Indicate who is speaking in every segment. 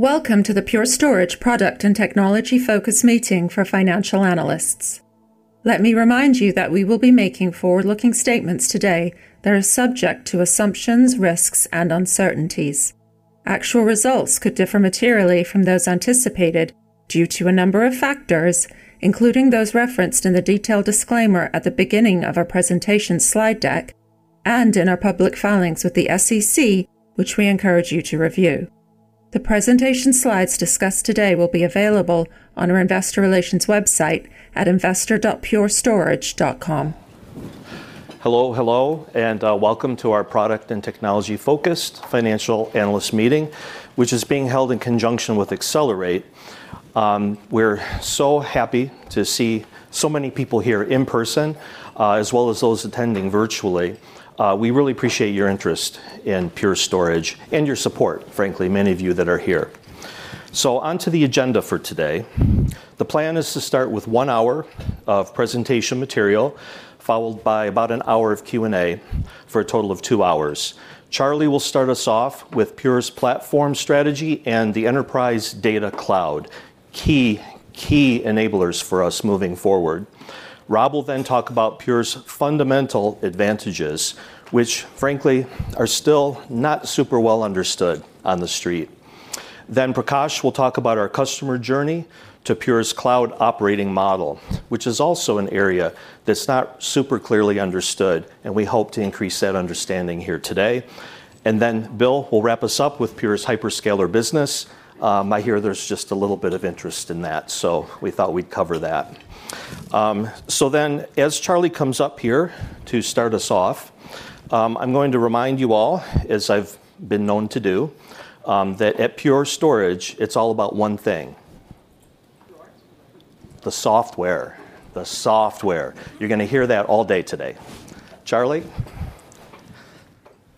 Speaker 1: Welcome to the Pure Storage product and technology focus meeting for financial analysts. Let me remind you that we will be making forward-looking statements today that are subject to assumptions, risks, and uncertainties. Actual results could differ materially from those anticipated due to a number of factors, including those referenced in the detailed disclaimer at the beginning of our presentation slide deck and in our public filings with the SEC, which we encourage you to review. The presentation slides discussed today will be available on our investor relations website at investor.purestorage.com.
Speaker 2: Hello, hello, and welcome to our product and technology-focused financial analyst meeting, which is being held in conjunction with Accelerate. We're so happy to see so many people here in person, as well as those attending virtually. We really appreciate your interest in Pure Storage and your support, frankly, many of you that are here. Onto the agenda for today. The plan is to start with one hour of presentation material, followed by about an hour of Q&A for a total of two hours. Charlie will start us off with Pure's platform strategy and the enterprise data cloud, key, key enablers for us moving forward. Rob will then talk about Pure's fundamental advantages, which frankly are still not super well understood on the street. Prakash will talk about our customer journey to Pure's cloud operating model, which is also an area that's not super clearly understood, and we hope to increase that understanding here today. Bill will wrap us up with Pure's hyperscaler business. I hear there's just a little bit of interest in that, we thought we'd cover that. As Charlie comes up here to start us off, I'm going to remind you all, as I've been known to do, that at Pure Storage, it's all about one thing: the software, the software. You're going to hear that all day today. Charlie?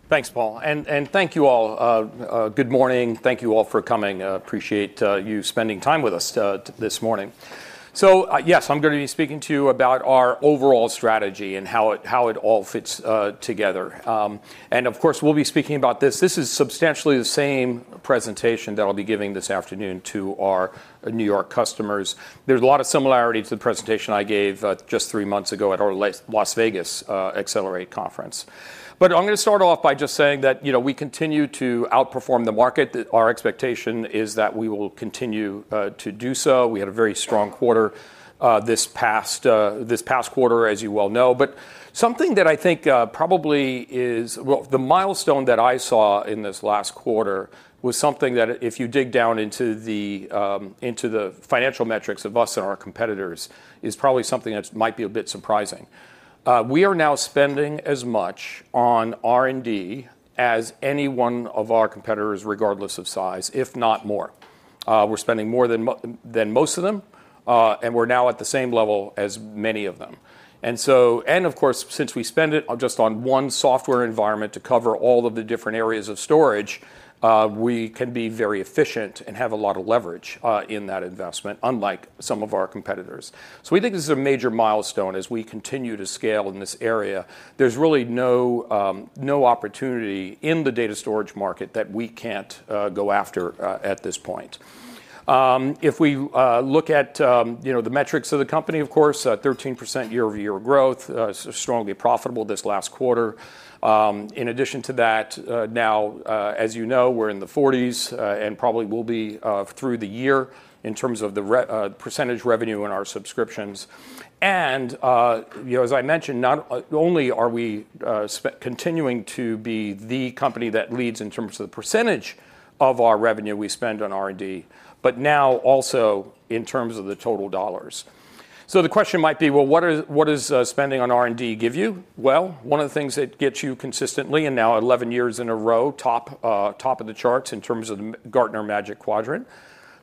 Speaker 3: Thanks, Paul. Thank you all. Good morning. Thank you all for coming. I appreciate you spending time with us this morning. Yes, I'm going to be speaking to you about our overall strategy and how it all fits together. Of course, we'll be speaking about this. This is substantially the same presentation that I'll be giving this afternoon to our New York customers. There's a lot of similarity to the presentation I gave just three months ago at our Las Vegas Accelerate conference. I'm going to start off by just saying that we continue to outperform the market. Our expectation is that we will continue to do so. We had a very strong quarter this past quarter, as you well know. Something that I think probably is, the milestone that I saw in this last quarter was something that if you dig down into the financial metrics of us and our competitors, is probably something that might be a bit surprising. We are now spending as much on R&D as any one of our competitors, regardless of size, if not more. We're spending more than most of them, and we're now at the same level as many of them. Since we spend it just on one software environment to cover all of the different areas of storage, we can be very efficient and have a lot of leverage in that investment, unlike some of our competitors. We think this is a major milestone as we continue to scale in this area. There's really no opportunity in the data storage market that we can't go after at this point. If we look at the metrics of the company, 13% year-over-year growth, strongly profitable this last quarter. In addition to that, now, as you know, we're in the 40% and probably will be through the year in terms of the percentage revenue in our subscriptions. As I mentioned, not only are we continuing to be the company that leads in terms of the percentage of our revenue we spend on R&D, but now also in terms of the total dollars. The question might be, what does spending on R&D give you? One of the things that gets you consistently, and now 11 years in a row, top of the charts in terms of the Gartner Magic Quadrant.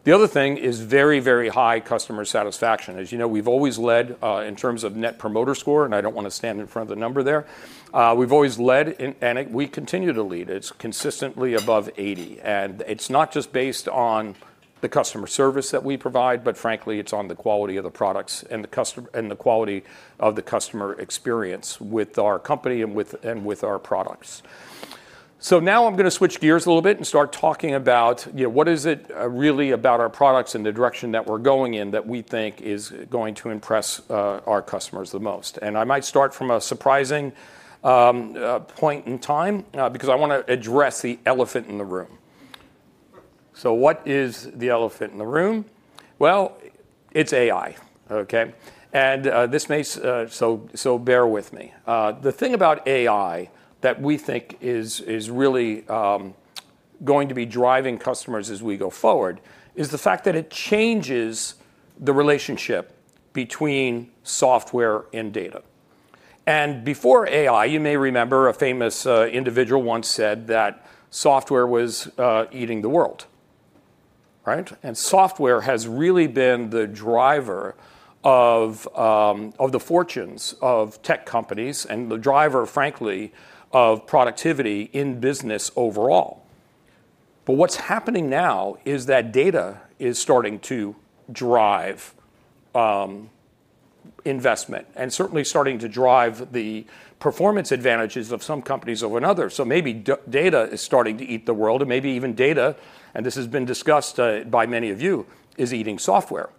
Speaker 3: The other thing is very, very high customer satisfaction. As you know, we've always led in terms of net promoter score, and I don't want to stand in front of the number there. We've always led, and we continue to lead. It's consistently above 80%. It's not just based on the customer service that we provide, but frankly, it's on the quality of the products and the quality of the customer experience with our company and with our products. Now I'm going to switch gears a little bit and start talking about what is it really about our products and the direction that we're going in that we think is going to impress our customers the most. I might start from a surprising point in time because I want to address the elephant in the room. What is the elephant in the room? It's AI, okay? This may, so bear with me. The thing about AI that we think is really going to be driving customers as we go forward is the fact that it changes the relationship between software and data. Before AI, you may remember a famous individual once said that software was eating the world, right? Software has really been the driver of the fortunes of tech companies and the driver, frankly, of productivity in business overall. What's happening now is that data is starting to drive investment and certainly starting to drive the performance advantages of some companies over another. Maybe data is starting to eat the world and maybe even data, and this has been discussed by many of you, is eating software,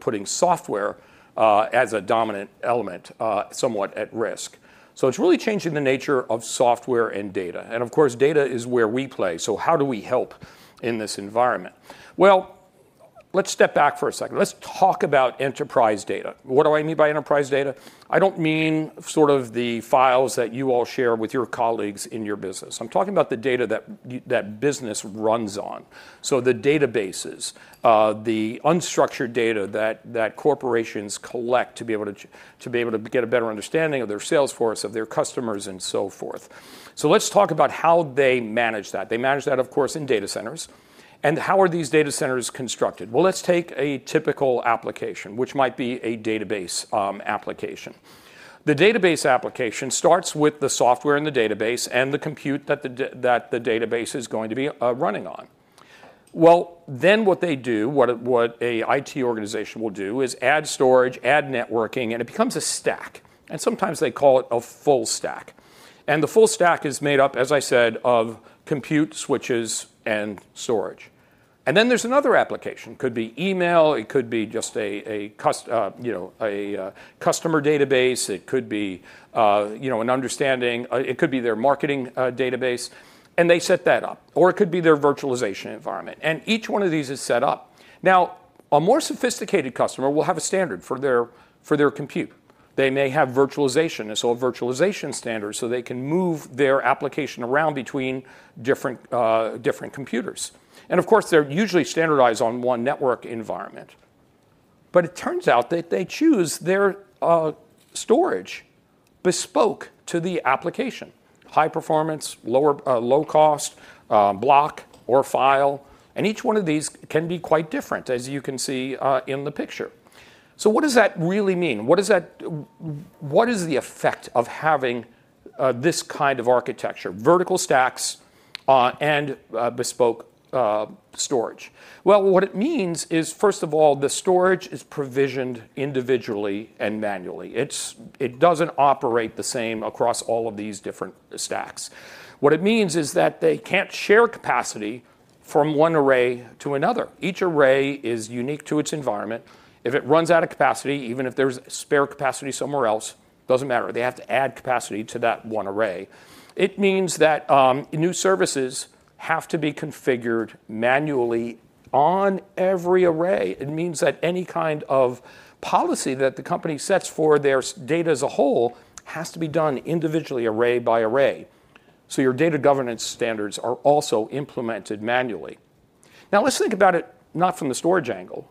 Speaker 3: putting software as a dominant element somewhat at risk. It's really changing the nature of software and data. Of course, data is where we play. How do we help in this environment? Let's step back for a second. Let's talk about enterprise data. What do I mean by enterprise data? I don't mean sort of the files that you all share with your colleagues in your business. I'm talking about the data that business runs on. The databases, the unstructured data that corporations collect to be able to get a better understanding of their sales force, of their customers, and so forth. Let's talk about how they manage that. They manage that, of course, in data centers. How are these data centers constructed? Let's take a typical application, which might be a database application. The database application starts with the software in the database and the compute that the database is going to be running on. What an IT organization will do is add storage, add networking, and it becomes a stack. Sometimes they call it a full stack. The full stack is made up, as I said, of compute, switches, and storage. There is another application. It could be email, it could be just a customer database, it could be an understanding, it could be their marketing database, and they set that up. It could be their virtualization environment. Each one of these is set up. A more sophisticated customer will have a standard for their compute. They may have virtualization, a virtualization standard, so they can move their application around between different computers. They are usually standardized on one network environment. It turns out that they choose their storage bespoke to the application. High performance, low cost, block or file. Each one of these can be quite different, as you can see in the picture. What does that really mean? What is the effect of having this kind of architecture, vertical stacks and bespoke storage? First of all, the storage is provisioned individually and manually. It does not operate the same across all of these different stacks. They cannot share capacity from one array to another. Each array is unique to its environment. If it runs out of capacity, even if there is spare capacity somewhere else, it does not matter. They have to add capacity to that one array. New services have to be configured manually on every array. Any kind of policy that the company sets for their data as a whole has to be done individually, array by array. Your data governance standards are also implemented manually. Now, think about it not from the storage angle.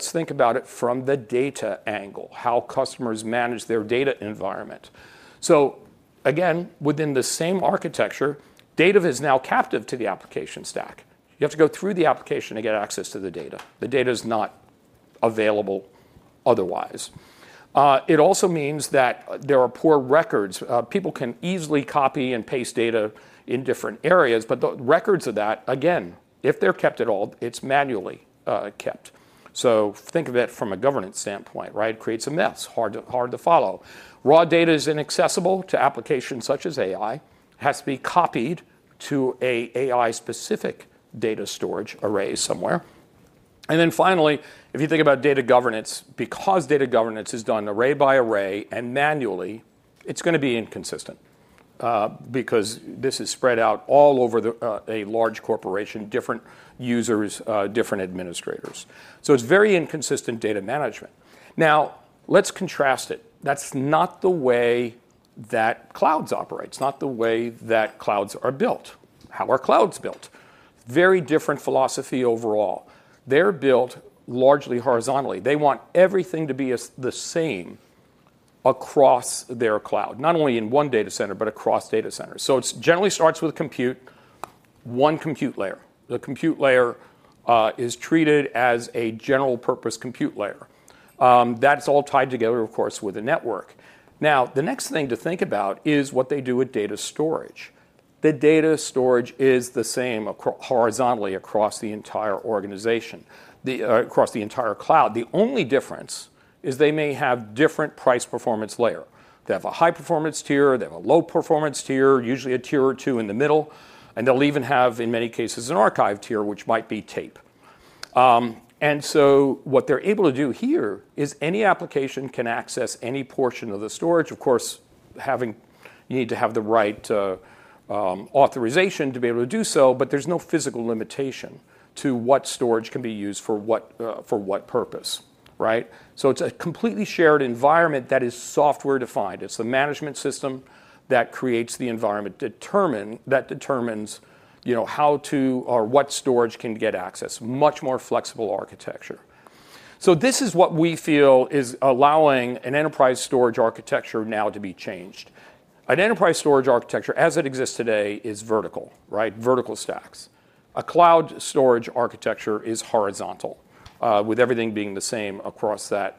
Speaker 3: Think about it from the data angle, how customers manage their data environment. Within the same architecture, data is now captive to the application stack. You have to go through the application to get access to the data. The data is not available otherwise. There are poor records. People can easily copy and paste data in different areas, but the records of that, if they are kept at all, are manually kept. From a governance standpoint, it creates a mess, hard to follow. Raw data is inaccessible to applications such as AI. It has to be copied to an AI-specific data storage array somewhere. If you think about data governance, because data governance is done array by array and manually, it's going to be inconsistent because this is spread out all over a large corporation, different users, different administrators. It is very inconsistent data management. Now let's contrast it. That's not the way that clouds operate. It's not the way that clouds are built, how our clouds are built. Very different philosophy overall. They're built largely horizontally. They want everything to be the same across their cloud, not only in one data center, but across data centers. It generally starts with compute, one compute layer. The compute layer is treated as a general purpose compute layer. That's all tied together, of course, with a network. The next thing to think about is what they do with data storage. The data storage is the same horizontally across the entire organization, across the entire cloud. The only difference is they may have different price performance layers. They have a high performance tier, they have a low performance tier, usually a tier or two in the middle, and they'll even have, in many cases, an archive tier, which might be tape. What they're able to do here is any application can access any portion of the storage. Of course, you need to have the right authorization to be able to do so, but there's no physical limitation to what storage can be used for what purpose, right? It is a completely shared environment that is software defined. It's the management system that creates the environment that determines, you know, how to or what storage can get access, much more flexible architecture. This is what we feel is allowing an enterprise storage architecture now to be changed. An enterprise storage architecture, as it exists today, is vertical, right? Vertical stacks. A cloud storage architecture is horizontal, with everything being the same across the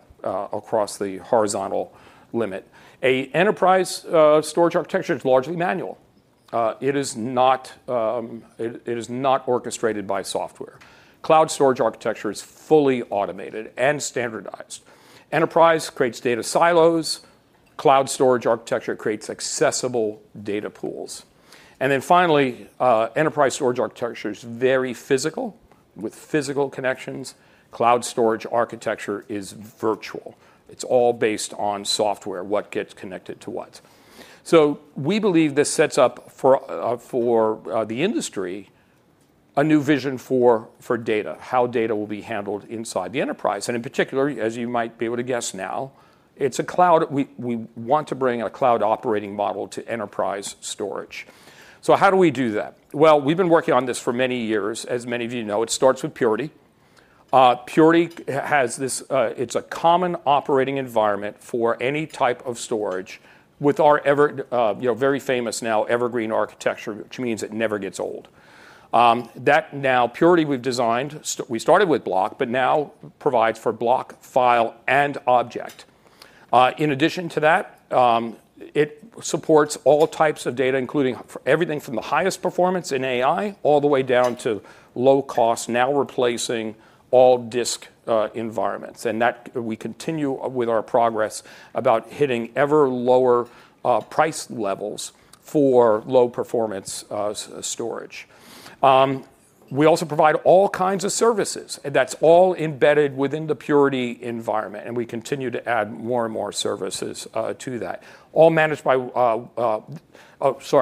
Speaker 3: horizontal limit. An enterprise storage architecture is largely manual. It is not orchestrated by software. Cloud storage architecture is fully automated and standardized. Enterprise creates data silos. Cloud storage architecture creates accessible data pools. Finally, enterprise storage architecture is very physical, with physical connections. Cloud storage architecture is virtual. It's all based on software, what gets connected to what. We believe this sets up for the industry a new vision for data, how data will be handled inside the enterprise. In particular, as you might be able to guess now, it's a cloud. We want to bring a cloud operating model to enterprise storage. How do we do that? We've been working on this for many years, as many of you know. It starts with Purity. Purity is a common operating environment for any type of storage with our very famous now Evergreen architecture, which means it never gets old. Purity, we've designed, we started with block, but now provides for block, file, and object. In addition to that, it supports all types of data, including everything from the highest performance in AI all the way down to low cost, now replacing all disk environments. We continue with our progress about hitting ever lower price levels for low performance storage. We also provide all kinds of services, and that's all embedded within the Purity environment. We continue to add more and more services to that, all managed by—sorry,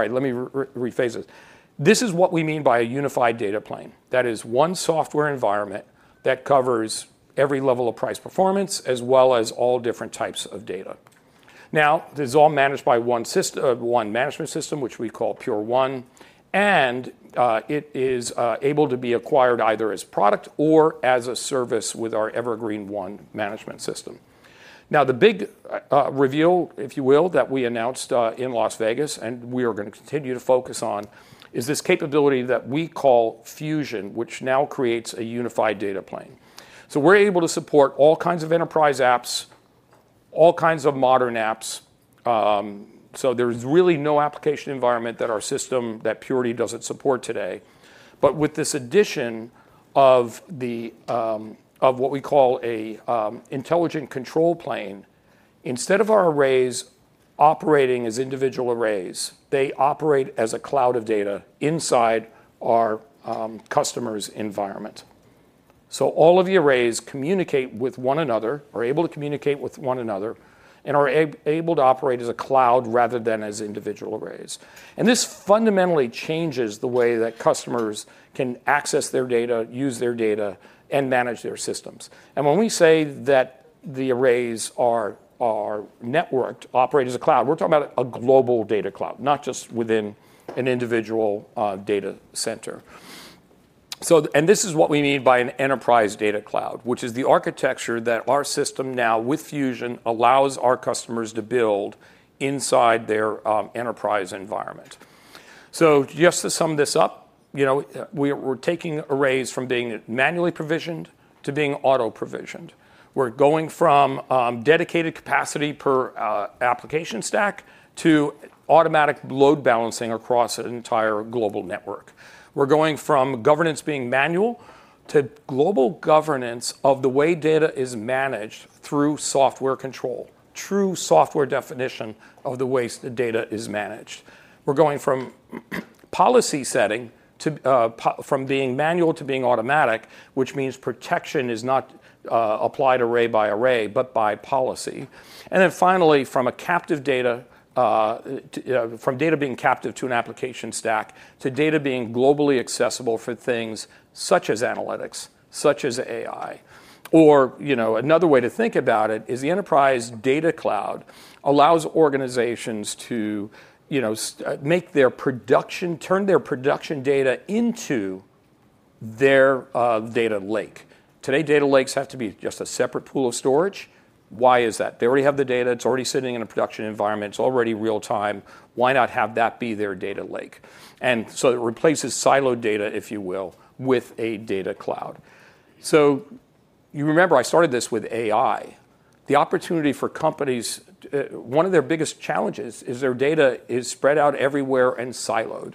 Speaker 3: let me rephrase this. This is what we mean by a unified data plane. That is one software environment that covers every level of price performance, as well as all different types of data. This is all managed by one management system, which we call Pure One, and it is able to be acquired either as a product or as a service with our Evergreen//One management system. The big reveal, if you will, that we announced in Las Vegas, and we are going to continue to focus on, is this capability that we call Fusion, which now creates a unified data plane. We're able to support all kinds of enterprise apps, all kinds of modern apps. There is really no application environment that our system, that Purity doesn't support today. With this addition of what we call an intelligent control plane, instead of our arrays operating as individual arrays, they operate as a cloud of data inside our customer's environment. All of the arrays communicate with one another, are able to communicate with one another, and are able to operate as a cloud rather than as individual arrays. This fundamentally changes the way that customers can access their data, use their data, and manage their systems. When we say that the arrays are networked, operate as a cloud, we're talking about a global data cloud, not just within an individual data center. This is what we mean by an enterprise data cloud, which is the architecture that our system now with Fusion allows our customers to build inside their enterprise environment. Just to sum this up, we're taking arrays from being manually provisioned to being auto-provisioned. We're going from dedicated capacity per application stack to automatic load balancing across an entire global network. We're going from governance being manual to global governance of the way data is managed through software control, true software definition of the ways that data is managed. We're going from policy setting from being manual to being automatic, which means protection is not applied array by array, but by policy. Finally, from data being captive to an application stack to data being globally accessible for things such as analytics, such as AI. Another way to think about it is the enterprise data cloud allows organizations to make their production, turn their production data into their data lake. Today, data lakes have to be just a separate pool of storage. Why is that? They already have the data, it's already sitting in a production environment, it's already real-time. Why not have that be their data lake? It replaces siloed data, if you will, with a data cloud. You remember I started this with AI. The opportunity for companies, one of their biggest challenges is their data is spread out everywhere and siloed.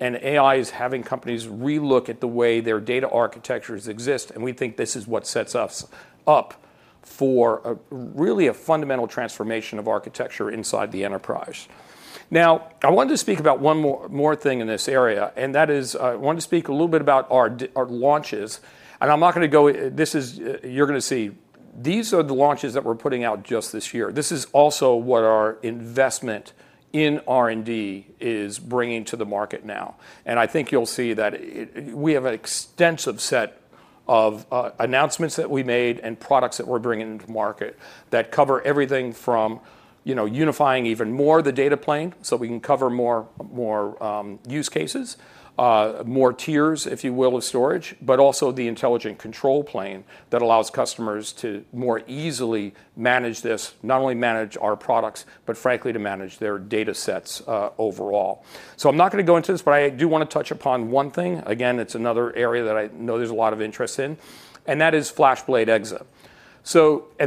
Speaker 3: AI is having companies relook at the way their data architectures exist. We think this is what sets us up for really a fundamental transformation of architecture inside the enterprise. I wanted to speak about one more thing in this area, and that is I wanted to speak a little bit about our launches. I'm not going to go, you're going to see, these are the launches that we're putting out just this year. This is also what our investment in R&D is bringing to the market now. I think you'll see that we have an extensive set of announcements that we made and products that we're bringing into market that cover everything from unifying even more the data plane so we can cover more use cases, more tiers, if you will, of storage, but also the intelligent control plane that allows customers to more easily manage this, not only manage our products, but frankly to manage their data sets overall. I'm not going to go into this, but I do want to touch upon one thing. Again, it's another area that I know there's a lot of interest in, and that is FlashBlade Exa.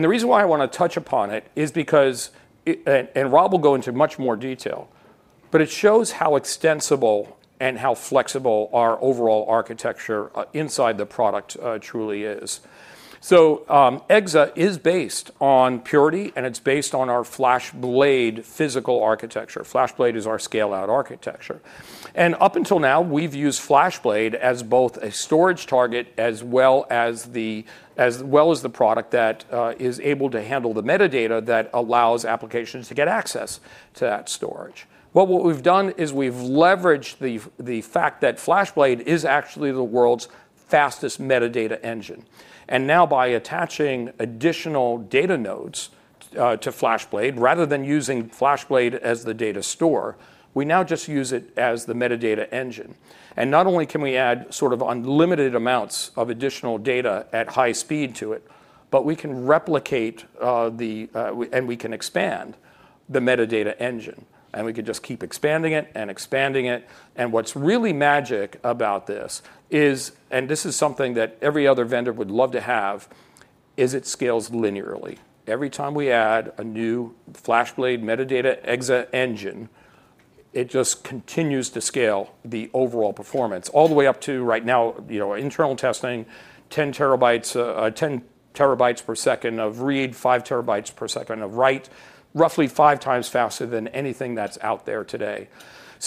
Speaker 3: The reason why I want to touch upon it is because, and Rob will go into much more detail, it shows how extensible and how flexible our overall architecture inside the product truly is. Exa is based on Purity, and it's based on our FlashBlade physical architecture. FlashBlade is our scale-out architecture. Up until now, we've used FlashBlade as both a storage target as well as the product that is able to handle the metadata that allows applications to get access to that storage. What we've done is we've leveraged the fact that FlashBlade is actually the world's fastest metadata engine. Now, by attaching additional data nodes to FlashBlade, rather than using FlashBlade as the data store, we now just use it as the metadata engine. Not only can we add sort of unlimited amounts of additional data at high speed to it, but we can replicate and we can expand the metadata engine. We can just keep expanding it and expanding it. What's really magic about this is, and this is something that every other vendor would love to have, it scales linearly. Every time we add a new FlashBlade metadata Exa engine, it just continues to scale the overall performance all the way up to, right now, internal testing, 10 terabytes per second of read, 5 terabytes per second of write, roughly 5x faster than anything that's out there today.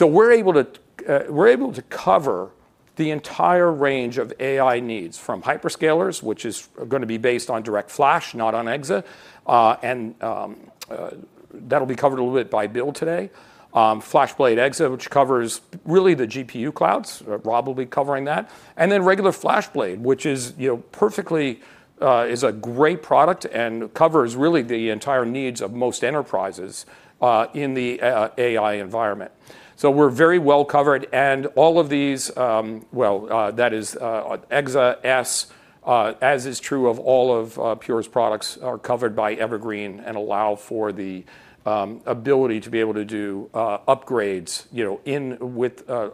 Speaker 3: We're able to cover the entire range of AI needs from hyperscalers, which is going to be based on DirectFlash, not on Exa. That'll be covered a little bit by Bill today. FlashBlade Exa, which covers really the GPU clouds, Rob will be covering that. Regular FlashBlade, which is a great product and covers really the entire needs of most enterprises in the AI environment. We're very well covered. All of these, that is Exa S, as is true of all of Pure's products, are covered by Evergreen and allow for the ability to be able to do upgrades,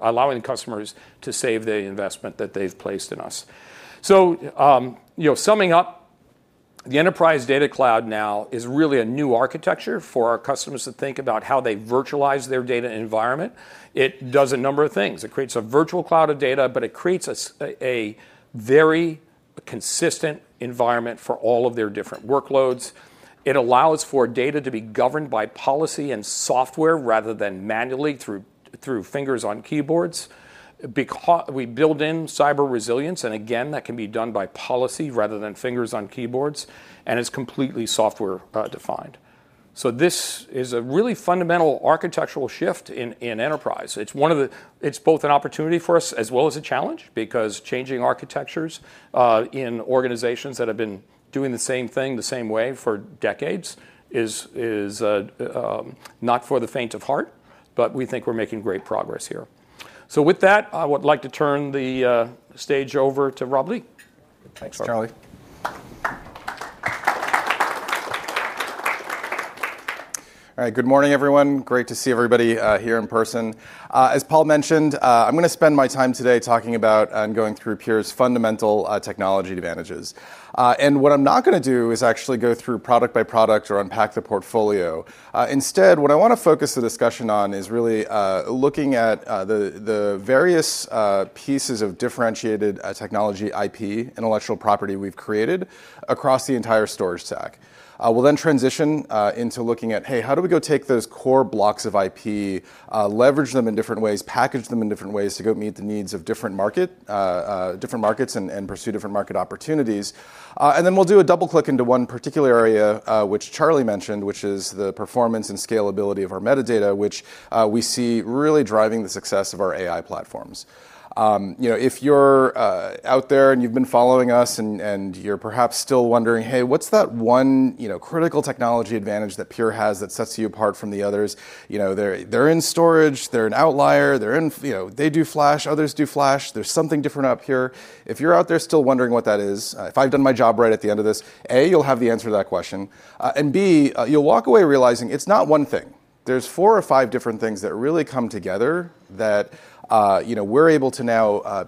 Speaker 3: allowing customers to save the investment that they've placed in us. Summing up, the enterprise data cloud now is really a new architecture for our customers to think about how they virtualize their data environment. It does a number of things. It creates a virtual cloud of data, but it creates a very consistent environment for all of their different workloads. It allows for data to be governed by policy and software rather than manually through fingers on keyboards. Because we build in cyber resilience, and again, that can be done by policy rather than fingers on keyboards, and it's completely software defined. This is a really fundamental architectural shift in enterprise. It's both an opportunity for us as well as a challenge because changing architectures in organizations that have been doing the same thing the same way for decades is not for the faint of heart, but we think we're making great progress here. With that, I would like to turn the stage over to Rob Lee.
Speaker 4: Thanks, Charlie. All right, good morning everyone. Great to see everybody here in person. As Paul mentioned, I'm going to spend my time today talking about and going through Pure's fundamental technology advantages. What I'm not going to do is actually go through product by product or unpack the portfolio. Instead, what I want to focus the discussion on is really looking at the various pieces of differentiated technology, IP, intellectual property we've created across the entire storage stack. We'll then transition into looking at, hey, how do we go take those core blocks of IP, leverage them in different ways, package them in different ways to go meet the needs of different markets and pursue different market opportunities. We'll do a double click into one particular area, which Charlie mentioned, which is the performance and scalability of our metadata, which we see really driving the success of our AI platforms. If you're out there and you've been following us and you're perhaps still wondering, hey, what's that one, you know, critical technology advantage that Pure has that sets you apart from the others? They're in storage, they're an outlier, they do flash, others do flash, there's something different out here. If you're out there still wondering what that is, if I've done my job right at the end of this, A, you'll have the answer to that question. B, you'll walk away realizing it's not one thing. There's four or five different things that really come together that we're able to now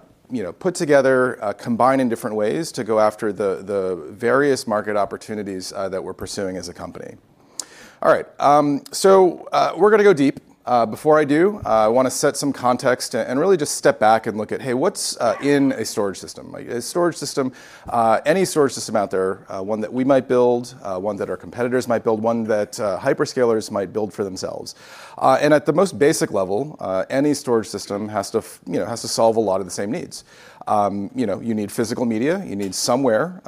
Speaker 4: put together, combine in different ways to go after the various market opportunities that we're pursuing as a company. All right, we're going to go deep. Before I do, I want to set some context and really just step back and look at, hey, what's in a storage system? A storage system, any storage system out there, one that we might build, one that our competitors might build, one that hyperscalers might build for themselves. At the most basic level, any storage system has to solve a lot of the same needs. You need physical media, you need somewhere,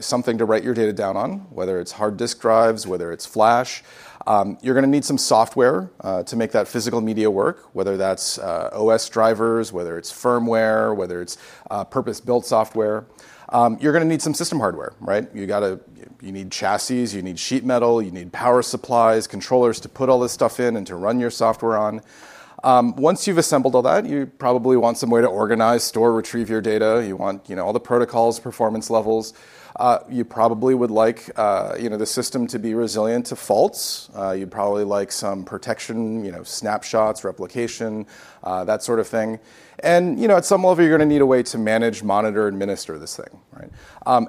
Speaker 4: something to write your data down on, whether it's hard disk drives, whether it's flash. You're going to need some software to make that physical media work, whether that's OS drivers, whether it's firmware, whether it's purpose-built software. You're going to need some system hardware, right? You need chassis, you need sheet metal, you need power supplies, controllers to put all this stuff in and to run your software on. Once you've assembled all that, you probably want some way to organize, store, retrieve your data. You want, you know, all the protocols, performance levels. You probably would like, you know, the system to be resilient to faults. You'd probably like some protection, you know, snapshots, replication, that sort of thing. At some level, you're going to need a way to manage, monitor, and administer this thing, right?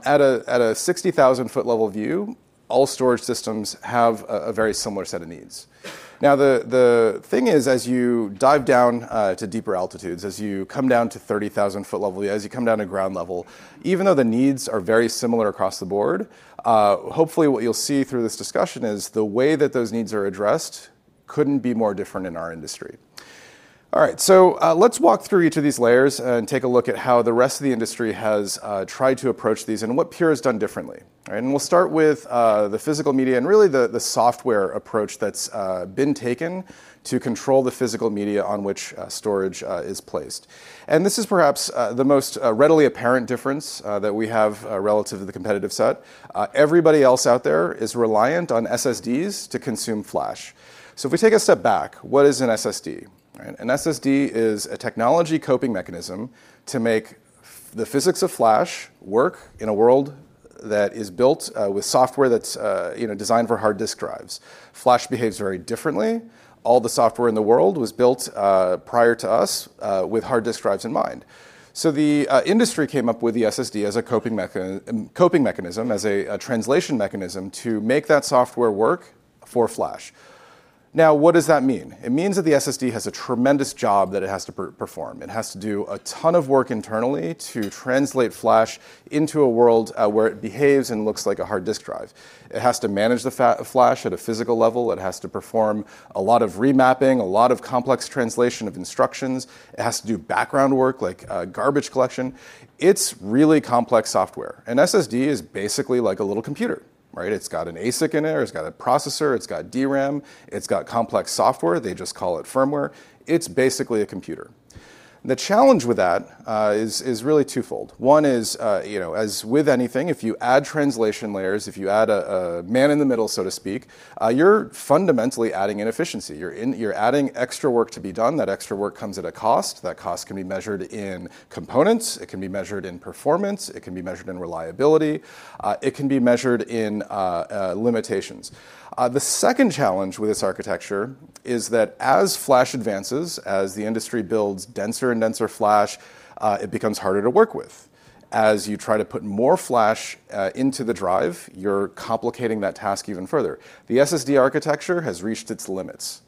Speaker 4: At a 60,000-foot level view, all storage systems have a very similar set of needs. The thing is, as you dive down to deeper altitudes, as you come down to 30,000-foot level, as you come down to ground level, even though the needs are very similar across the board, hopefully what you'll see through this discussion is the way that those needs are addressed couldn't be more different in our industry. Let's walk through each of these layers and take a look at how the rest of the industry has tried to approach these and what Pure Storage has done differently. We'll start with the physical media and really the software approach that's been taken to control the physical media on which storage is placed. This is perhaps the most readily apparent difference that we have relative to the competitive set. Everybody else out there is reliant on SSDs to consume flash. If we take a step back, what is an SSD? An SSD is a technology coping mechanism to make the physics of flash work in a world that is built with software that's designed for hard disk drives. Flash behaves very differently. All the software in the world was built prior to us with hard disk drives in mind. The industry came up with the SSD as a coping mechanism, as a translation mechanism to make that software work for flash. What does that mean? It means that the SSD has a tremendous job that it has to perform. It has to do a ton of work internally to translate flash into a world where it behaves and looks like a hard disk drive. It has to manage the flash at a physical level. It has to perform a lot of remapping, a lot of complex translation of instructions. It has to do background work like garbage collection. It's really complex software. An SSD is basically like a little computer, right? It's got an ASIC in there, it's got a processor, it's got DRAM, it's got complex software. They just call it firmware. It's basically a computer. The challenge with that is really twofold. One is, you know, as with anything, if you add translation layers, if you add a man in the middle, so to speak, you're fundamentally adding inefficiency. You're adding extra work to be done. That extra work comes at a cost. That cost can be measured in components, in performance, in reliability, in limitations. The second challenge with this architecture is that as flash advances, as the industry builds denser and denser flash, it becomes harder to work with. As you try to put more flash into the drive, you're complicating that task even further. The SSD architecture has reached its limits.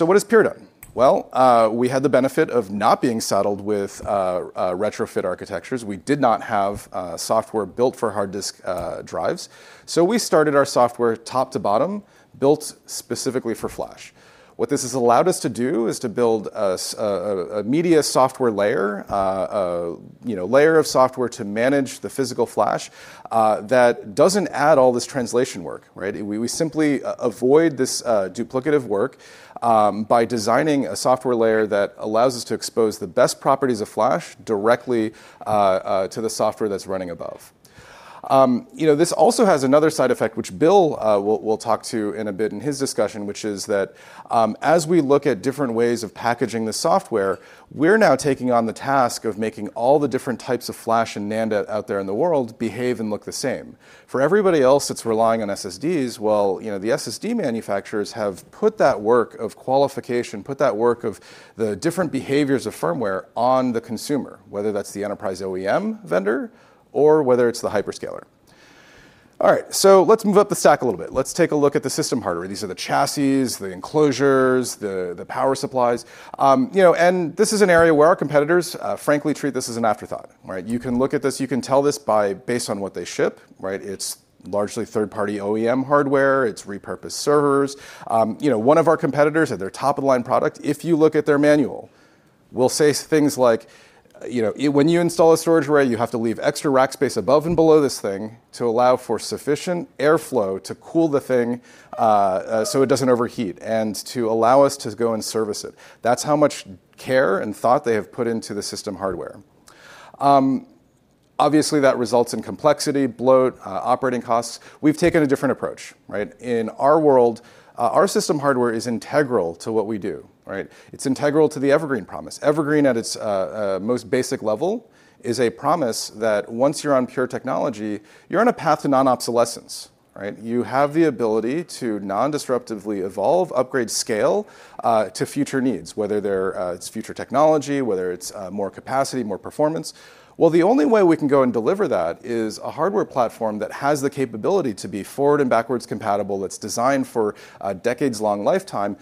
Speaker 4: What has Pure Storage done? We had the benefit of not being saddled with retrofit architectures. We did not have software built for hard disk drives. We started our software top to bottom, built specifically for flash. What this has allowed us to do is to build a media software layer, a layer of software to manage the physical flash that doesn't add all this translation work, right? We simply avoid this duplicative work by designing a software layer that allows us to expose the best properties of flash directly to the software that's running above. This also has another side effect, which Bill will talk to in a bit in his discussion, which is that as we look at different ways of packaging the software, we're now taking on the task of making all the different types of flash and NAND out there in the world behave and look the same. For everybody else, it's relying on SSDs. The SSD manufacturers have put that work of qualification, put that work of the different behaviors of firmware on the consumer, whether that's the enterprise OEM vendor or whether it's the hyperscaler. Let's move up the stack a little bit. Let's take a look at the system hardware. These are the chassis, the enclosures, the power supplies. This is an area where our competitors frankly treat this as an afterthought, right? You can look at this, you can tell this by based on what they ship, right? It's largely third-party OEM hardware. It's repurposed servers. You know, one of our competitors at their top-of-the-line product, if you look at their manual, will say things like, you know, when you install a storage array, you have to leave extra rack space above and below this thing to allow for sufficient airflow to cool the thing so it doesn't overheat and to allow us to go and service it. That's how much care and thought they have put into the system hardware. Obviously, that results in complexity, bloat, operating costs. We've taken a different approach, right? In our world, our system hardware is integral to what we do, right? It's integral to the Evergreen promise. Evergreen at its most basic level is a promise that once you're on Pure technology, you're on a path to non-obsolescence, right? You have the ability to non-disruptively evolve, upgrade, scale to future needs, whether it's future technology, whether it's more capacity, more performance. The only way we can go and deliver that is a hardware platform that has the capability to be forward and backwards compatible. It's designed for a decades-long lifetime.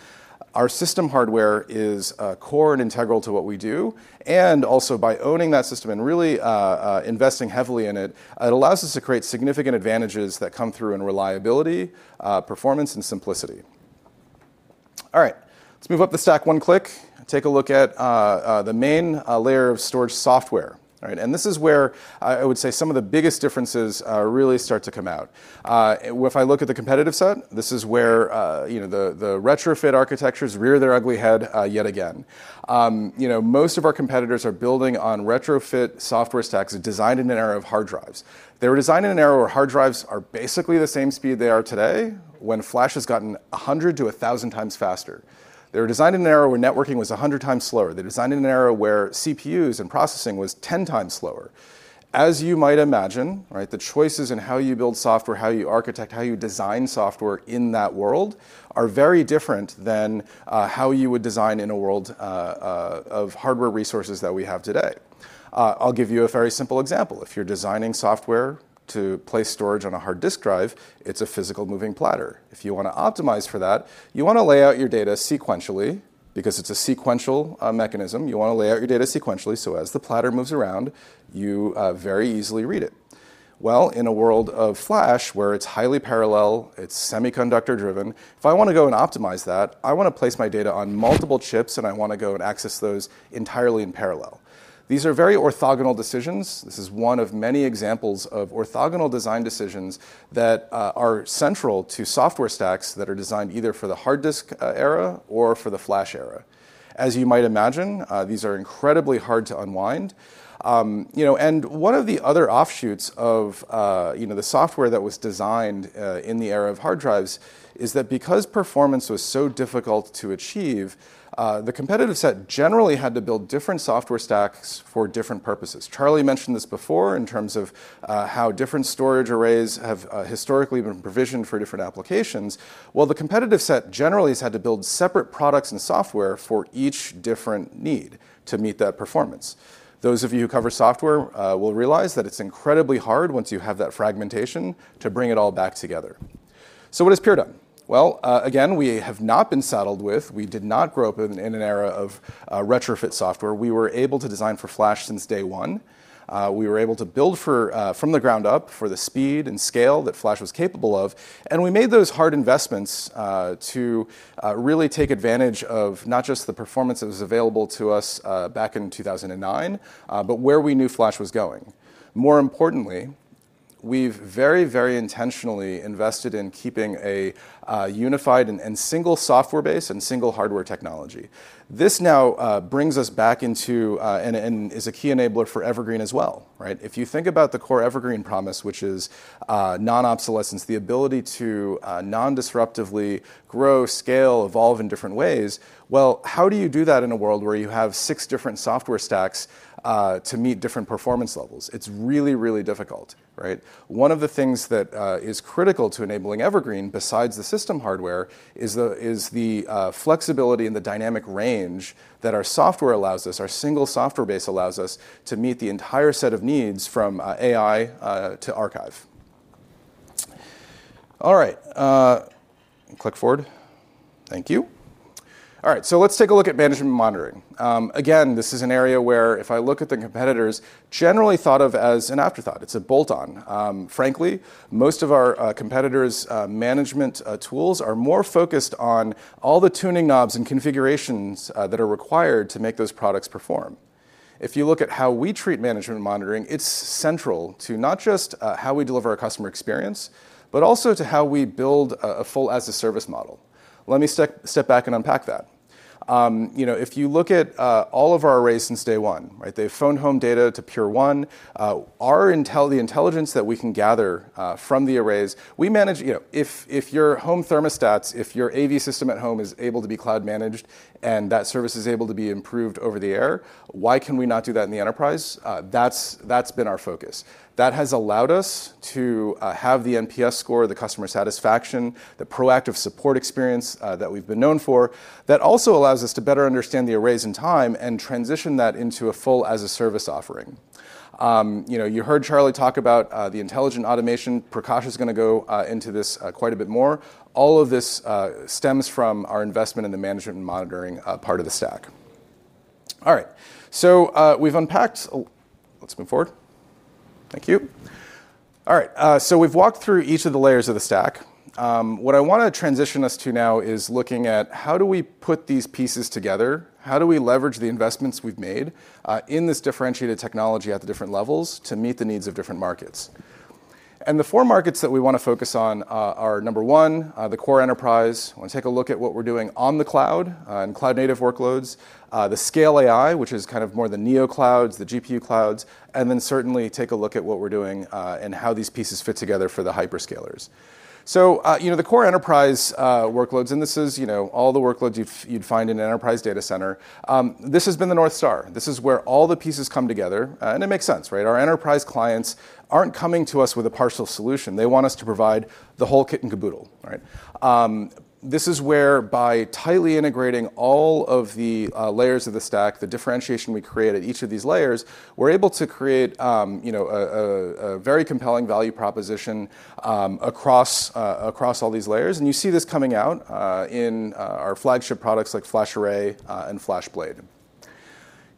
Speaker 4: Our system hardware is core and integral to what we do. Also, by owning that system and really investing heavily in it, it allows us to create significant advantages that come through in reliability, performance, and simplicity. All right, let's move up the stack one click, take a look at the main layer of storage software. This is where I would say some of the biggest differences really start to come out. If I look at the competitive set, this is where the retrofit architectures rear their ugly head yet again. Most of our competitors are building on retrofit software stacks designed in an era of hard drives. They were designed in an era where hard drives are basically the same speed they are today when flash has gotten 100x-1,000x faster. They were designed in an era where networking was 100x slower. They're designed in an era where CPUs and processing were 10x slower. As you might imagine, the choices in how you build software, how you architect, how you design software in that world are very different than how you would design in a world of hardware resources that we have today. I'll give you a very simple example. If you're designing software to place storage on a hard disk drive, it's a physical moving platter. If you want to optimize for that, you want to lay out your data sequentially because it's a sequential mechanism. You want to lay out your data sequentially so as the platter moves around, you very easily read it. In a world of flash where it's highly parallel, it's semiconductor driven, if I want to go and optimize that, I want to place my data on multiple chips and I want to go and access those entirely in parallel. These are very orthogonal decisions. This is one of many examples of orthogonal design decisions that are central to software stacks that are designed either for the hard disk era or for the flash era. As you might imagine, these are incredibly hard to unwind. One of the other offshoots of the software that was designed in the era of hard drives is that because performance was so difficult to achieve, the competitive set generally had to build different software stacks for different purposes. Charlie mentioned this before in terms of how different storage arrays have historically been provisioned for different applications. The competitive set generally has had to build separate products and software for each different need to meet that performance. Those of you who cover software will realize that it's incredibly hard once you have that fragmentation to bring it all back together. What has Pure done? We have not been saddled with, we did not grow up in an era of retrofit software. We were able to design for flash since day one. We were able to build from the ground up for the speed and scale that flash was capable of. We made those hard investments to really take advantage of not just the performance that was available to us back in 2009, but where we knew flash was going. More importantly, we've very, very intentionally invested in keeping a unified and single software base and single hardware technology. This now brings us back into and is a key enabler for Evergreen as well, right? If you think about the core Evergreen promise, which is non-obsolescence, the ability to non-disruptively grow, scale, evolve in different ways, how do you do that in a world where you have six different software stacks to meet different performance levels? It's really, really difficult, right? One of the things that is critical to enabling Evergreen, besides the system hardware, is the flexibility and the dynamic range that our software allows us, our single software base allows us to meet the entire set of needs from AI to archive. All right, click forward. Thank you. All right, so let's take a look at management monitoring. Again, this is an area where, if I look at the competitors, it's generally thought of as an afterthought. It's a bolt-on. Frankly, most of our competitors' management tools are more focused on all the tuning knobs and configurations that are required to make those products perform. If you look at how we treat management monitoring, it's central to not just how we deliver a customer experience, but also to how we build a full as-a-service model. Let me step back and unpack that. If you look at all of our arrays since day one, they've phoned home data to Pure One. Our intel, the intelligence that we can gather from the arrays, we manage, you know, if your home thermostats, if your AV system at home is able to be cloud managed and that service is able to be improved over the air, why can we not do that in the enterprise? That's been our focus. That has allowed us to have the NPS score, the customer satisfaction, the proactive support experience that we've been known for. That also allows us to better understand the arrays in time and transition that into a full as-a-service offering. You heard Charlie talk about the intelligent automation. Prakash is going to go into this quite a bit more. All of this stems from our investment in the management and monitoring part of the stack. All right, so we've unpacked, let's move forward. Thank you. All right, so we've walked through each of the layers of the stack. What I want to transition us to now is looking at how do we put these pieces together? How do we leverage the investments we've made in this differentiated technology at the different levels to meet the needs of different markets? The four markets that we want to focus on are number one, the core enterprise. We want to take a look at what we're doing on the cloud and cloud-native workloads, the scale AI, which is kind of more the NeoClouds, the GPU clouds, and then certainly take a look at what we're doing and how these pieces fit together for the hyperscalers. The core enterprise workloads, and this is all the workloads you'd find in an enterprise data center. This has been the North Star. This is where all the pieces come together, and it makes sense, right? Our enterprise clients aren't coming to us with a partial solution. They want us to provide the whole kit and caboodle, right? This is where, by tightly integrating all of the layers of the stack, the differentiation we create at each of these layers, we're able to create a very compelling value proposition across all these layers. You see this coming out in our flagship products like FlashArray and FlashBlade.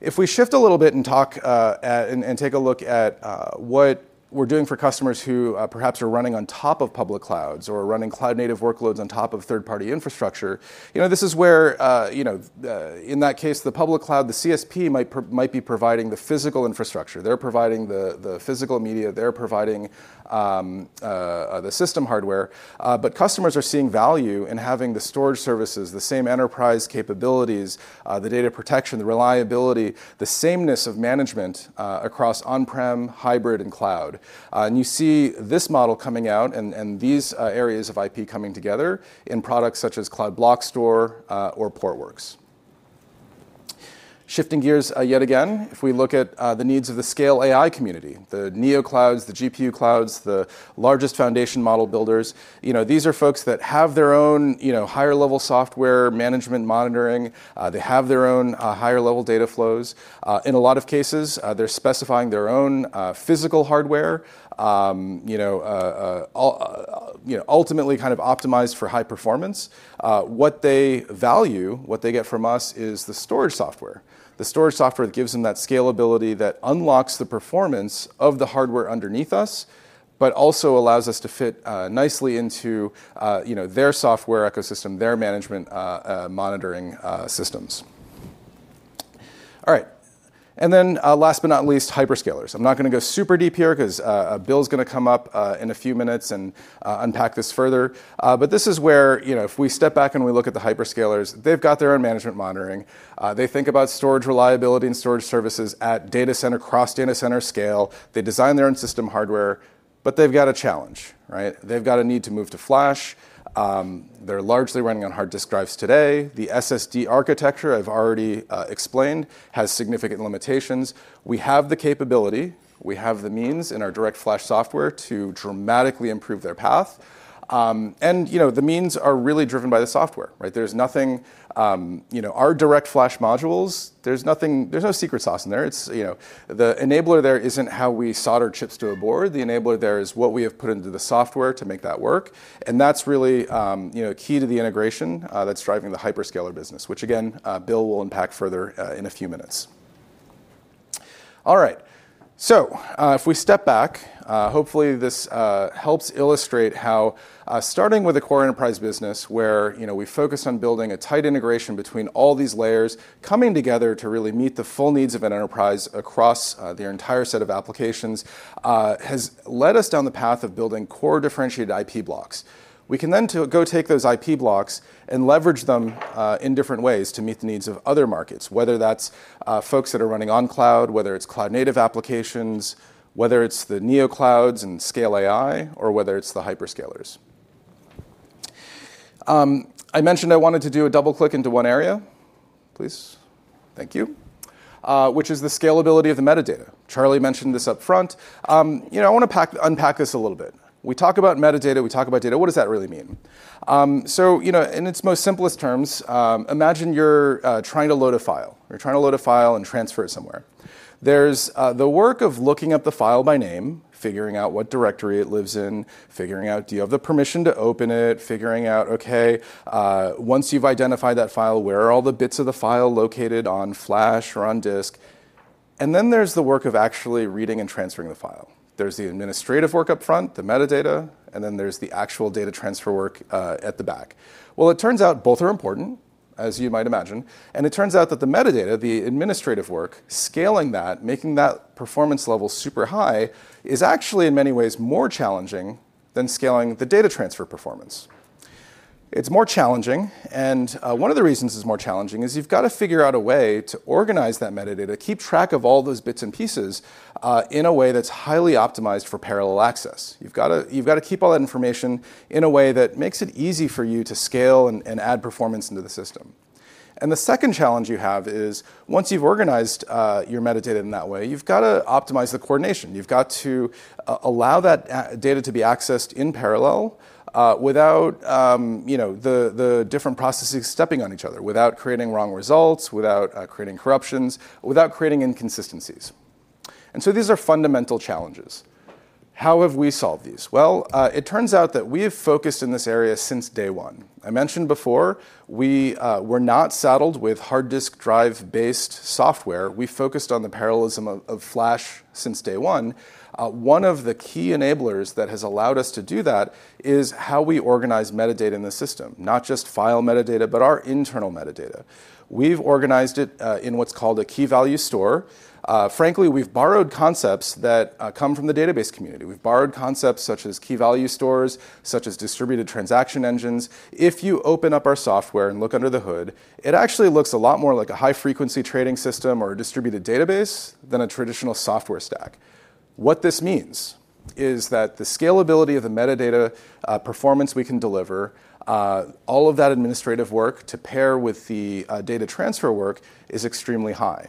Speaker 4: If we shift a little bit and take a look at what we're doing for customers who perhaps are running on top of public clouds or running cloud-native workloads on top of third-party infrastructure, this is where, in that case, the public cloud, the CSP might be providing the physical infrastructure. They're providing the physical media. They're providing the system hardware. Customers are seeing value in having the storage services, the same enterprise capabilities, the data protection, the reliability, the sameness of management across on-prem, hybrid, and cloud. You see this model coming out and these areas of IP coming together in products such as Cloud Block Store or Portworx. Shifting gears yet again, if we look at the needs of the ScaleAI community, the NeoClouds, the GPU clouds, the largest foundation model builders, these are folks that have their own higher-level software management monitoring. They have their own higher-level data flows. In a lot of cases, they're specifying their own physical hardware, ultimately kind of optimized for high performance. What they value, what they get from us is the storage software. The storage software that gives them that scalability that unlocks the performance of the hardware underneath us, but also allows us to fit nicely into their software ecosystem, their management monitoring systems. All right, and then last but not least, hyperscalers. I'm not going to go super deep here because Bill's going to come up in a few minutes and unpack this further. This is where, if we step back and we look at the hyperscalers, they've got their own management monitoring. They think about storage reliability and storage services at data center, cross-data center scale. They design their own system hardware, but they've got a challenge, right? They've got a need to move to flash. They're largely running on hard disk drives today. The SSD architecture I've already explained has significant limitations. We have the capability, we have the means in our DirectFlash software to dramatically improve their path. The means are really driven by the software, right? There's nothing, our DirectFlash modules, there's nothing, there's no secret sauce in there. The enabler there isn't how we solder chips to a board. The enabler there is what we have put into the software to make that work. That's really key to the integration that's driving the hyperscaler business, which again, Bill will unpack further in a few minutes. If we step back, hopefully this helps illustrate how starting with a core enterprise business where we focus on building a tight integration between all these layers coming together to really meet the full needs of an enterprise across their entire set of applications has led us down the path of building core differentiated IP blocks. We can then go take those IP blocks and leverage them in different ways to meet the needs of other markets, whether that's folks that are running on cloud, whether it's cloud-native applications, whether it's the NeoClouds and ScaleAI, or whether it's the hyperscalers. I mentioned I wanted to do a double click into one area, please. Thank you, which is the scalability of the metadata. Charlie mentioned this up front. I want to unpack this a little bit. We talk about metadata, we talk about data. What does that really mean? In its most simplest terms, imagine you're trying to load a file. You're trying to load a file and transfer it somewhere. There's the work of looking up the file by name, figuring out what directory it lives in, figuring out do you have the permission to open it, figuring out, once you've identified that file, where are all the bits of the file located on flash or on disk? Then there's the work of actually reading and transferring the file. There's the administrative work up front, the metadata, and then there's the actual data transfer work at the back. It turns out both are important, as you might imagine. It turns out that the metadata, the administrative work, scaling that, making that performance level super high is actually in many ways more challenging than scaling the data transfer performance. It's more challenging, and one of the reasons it's more challenging is you've got to figure out a way to organize that metadata, keep track of all those bits and pieces in a way that's highly optimized for parallel access. You've got to keep all that information in a way that makes it easy for you to scale and add performance into the system. The second challenge you have is once you've organized your metadata in that way, you've got to optimize the coordination. You've got to allow that data to be accessed in parallel without, you know, the different processes stepping on each other, without creating wrong results, without creating corruptions, without creating inconsistencies. These are fundamental challenges. How have we solved these? It turns out that we have focused in this area since day one. I mentioned before, we were not saddled with hard disk drive-based software. We focused on the parallelism of flash since day one. One of the key enablers that has allowed us to do that is how we organize metadata in the system, not just file metadata, but our internal metadata. We've organized it in what's called a key value store. Frankly, we've borrowed concepts that come from the database community. We've borrowed concepts such as key value stores, such as distributed transaction engines. If you open up our software and look under the hood, it actually looks a lot more like a high-frequency trading system or a distributed database than a traditional software stack. What this means is that the scalability of the metadata, performance we can deliver, all of that administrative work to pair with the data transfer work is extremely high.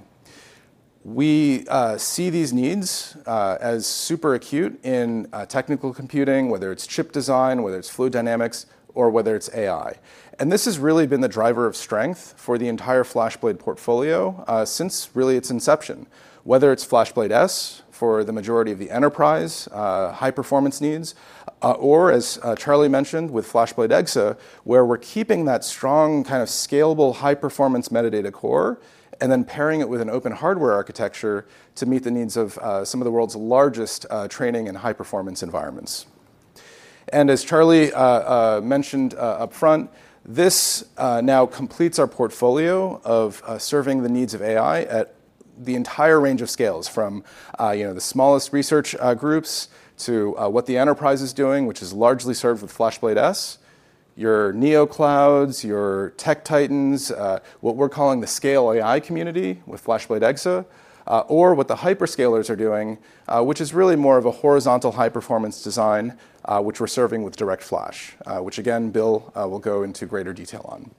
Speaker 4: We see these needs as super acute in technical computing, whether it's chip design, whether it's fluid dynamics, or whether it's AI. This has really been the driver of strength for the entire FlashBlade portfolio since really its inception. Whether it's FlashBlade S for the majority of the enterprise, high performance needs, or as Charlie mentioned with FlashBlade Exa, where we're keeping that strong kind of scalable high performance metadata core and then pairing it with an open hardware architecture to meet the needs of some of the world's largest training and high performance environments. As Charlie mentioned up front, this now completes our portfolio of serving the needs of AI at the entire range of scales, from the smallest research groups to what the enterprise is doing, which is largely served with FlashBlade S, your NeoClouds, your tech titans, what we're calling the ScaleAI community with FlashBlade Exa, or what the hyperscalers are doing, which is really more of a horizontal high performance design, which we're serving with DirectFlash, which again Bill will go into greater detail on.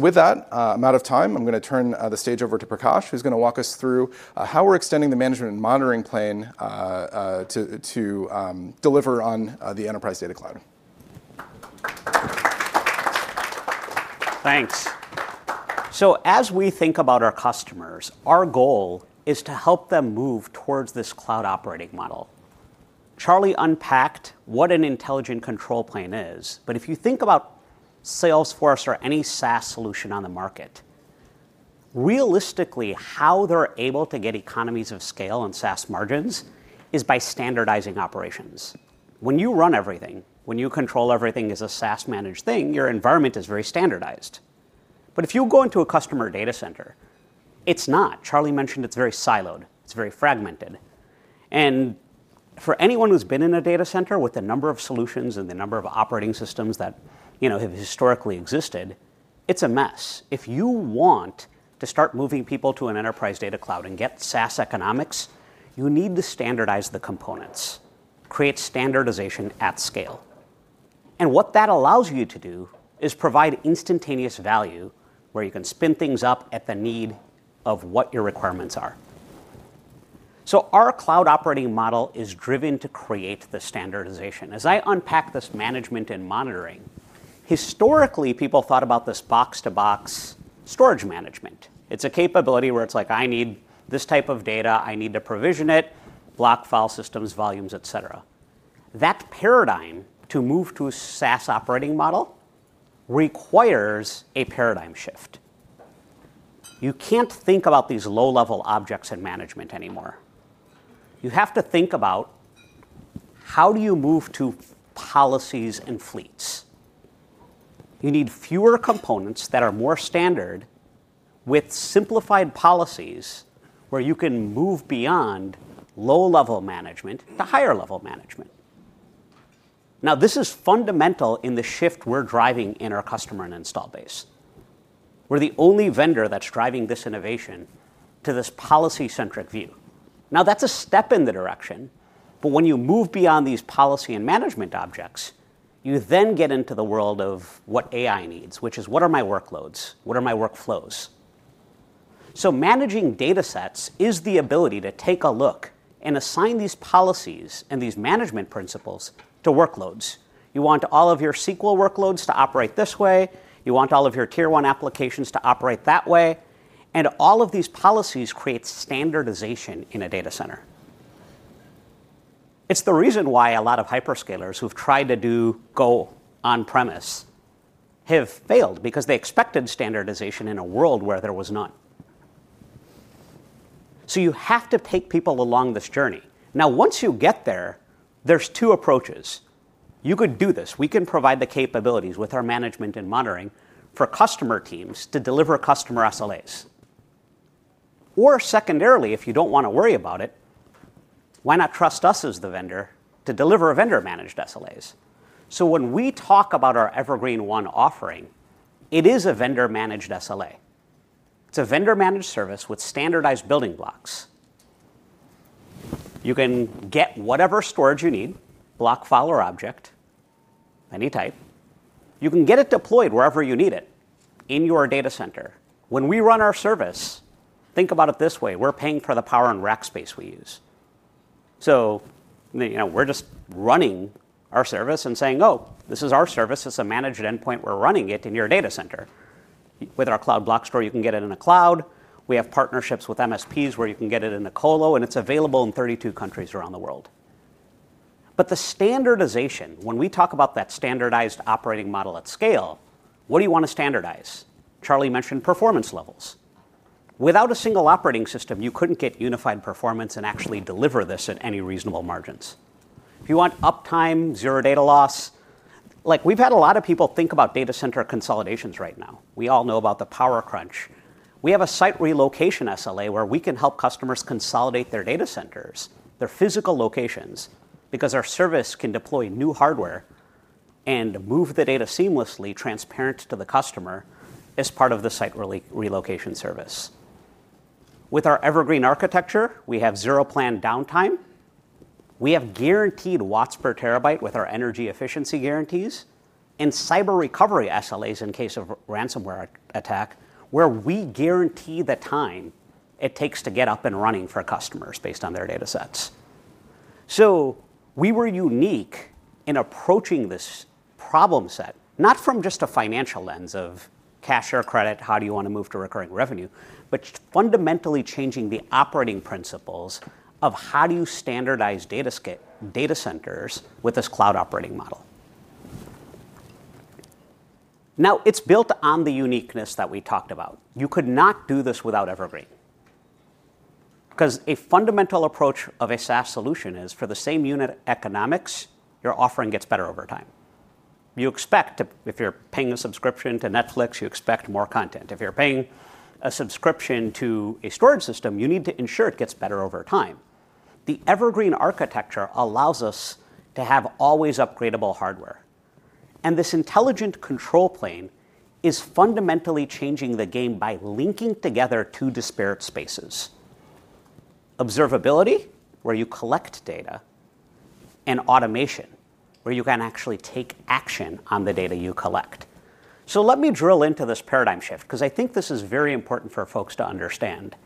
Speaker 4: With that, I'm out of time. I'm going to turn the stage over to Prakash, who's going to walk us through how we're extending the management and monitoring plane to deliver on the enterprise data cloud.
Speaker 5: Thanks. As we think about our customers, our goal is to help them move towards this cloud operating model. Charlie unpacked what an intelligent control plane is, but if you think about Salesforce or any SaaS solution on the market, realistically, how they're able to get economies of scale and SaaS margins is by standardizing operations. When you run everything, when you control everything as a SaaS-managed thing, your environment is very standardized. If you go into a customer data center, it's not. Charlie mentioned it's very siloed. It's very fragmented. For anyone who's been in a data center with the number of solutions and the number of operating systems that have historically existed, it's a mess. If you want to start moving people to an enterprise data cloud and get SaaS economics, you need to standardize the components and create standardization at scale. What that allows you to do is provide instantaneous value where you can spin things up at the need of what your requirements are. Our cloud operating model is driven to create the standardization. As I unpack this management and monitoring, historically, people thought about this box-to-box storage management. It's a capability where it's like, I need this type of data, I need to provision it, block file systems, volumes, etc. That paradigm to move to a SaaS operating model requires a paradigm shift. You can't think about these low-level objects in management anymore. You have to think about how do you move to policies and fleets. You need fewer components that are more standard with simplified policies where you can move beyond low-level management to higher-level management. This is fundamental in the shift we're driving in our customer and install base. We're the only vendor that's driving this innovation to this policy-centric view. That's a step in the direction, but when you move beyond these policy and management objects, you then get into the world of what AI needs, which is what are my workloads, what are my workflows. Managing data sets is the ability to take a look and assign these policies and these management principles to workloads. You want all of your SQL workloads to operate this way. You want all of your tier one applications to operate that way. All of these policies create standardization in a data center. It's the reason why a lot of hyperscalers who've tried to do go on-premise have failed because they expected standardization in a world where there was none. You have to take people along this journey. Now, once you get there, there's two approaches. You could do this. We can provide the capabilities with our management and monitoring for customer teams to deliver customer SLAs. Secondarily, if you don't want to worry about it, why not trust us as the vendor to deliver vendor-managed SLAs? When we talk about our Evergreen//One offering, it is a vendor-managed SLA. It's a vendor-managed service with standardized building blocks. You can get whatever storage you need, block, file, or object, any type. You can get it deployed wherever you need it in your data center. When we run our service, think about it this way. We're paying for the power and rack space we use. We're just running our service and saying, oh, this is our service. It's a managed endpoint. We're running it in your data center. With our Cloud Block Store, you can get it in the cloud. We have partnerships with MSPs where you can get it in the colo, and it's available in 32 countries around the world. The standardization, when we talk about that standardized operating model at scale, what do you want to standardize? Charlie mentioned performance levels. Without a single operating system, you couldn't get unified performance and actually deliver this at any reasonable margins. If you want uptime, zero data loss, like we've had a lot of people think about data center consolidations right now. We all know about the power crunch. We have a site relocation SLA where we can help customers consolidate their data centers, their physical locations, because our service can deploy new hardware and move the data seamlessly, transparent to the customer as part of the site relocation service. With our Evergreen architecture, we have zero planned downtime. We have guaranteed watts per terabyte with our energy efficiency guarantees and cyber recovery SLAs in case of a ransomware attack, where we guarantee the time it takes to get up and running for customers based on their data sets. We were unique in approaching this problem set, not from just a financial lens of cash or credit, how do you want to move to recurring revenue, but fundamentally changing the operating principles of how do you standardize data centers with this cloud operating model. Now, it's built on the uniqueness that we talked about. You could not do this without Evergreen. Because a fundamental approach of a SaaS solution is for the same unit economics, your offering gets better over time. You expect to, if you're paying a subscription to Netflix, you expect more content. If you're paying a subscription to a storage system, you need to ensure it gets better over time. The Evergreen architecture allows us to have always upgradable hardware. This intelligent control plane is fundamentally changing the game by linking together two disparate spaces: observability, where you collect data, and automation, where you can actually take action on the data you collect. Let me drill into this paradigm shift, because I think this is very important for folks to understand.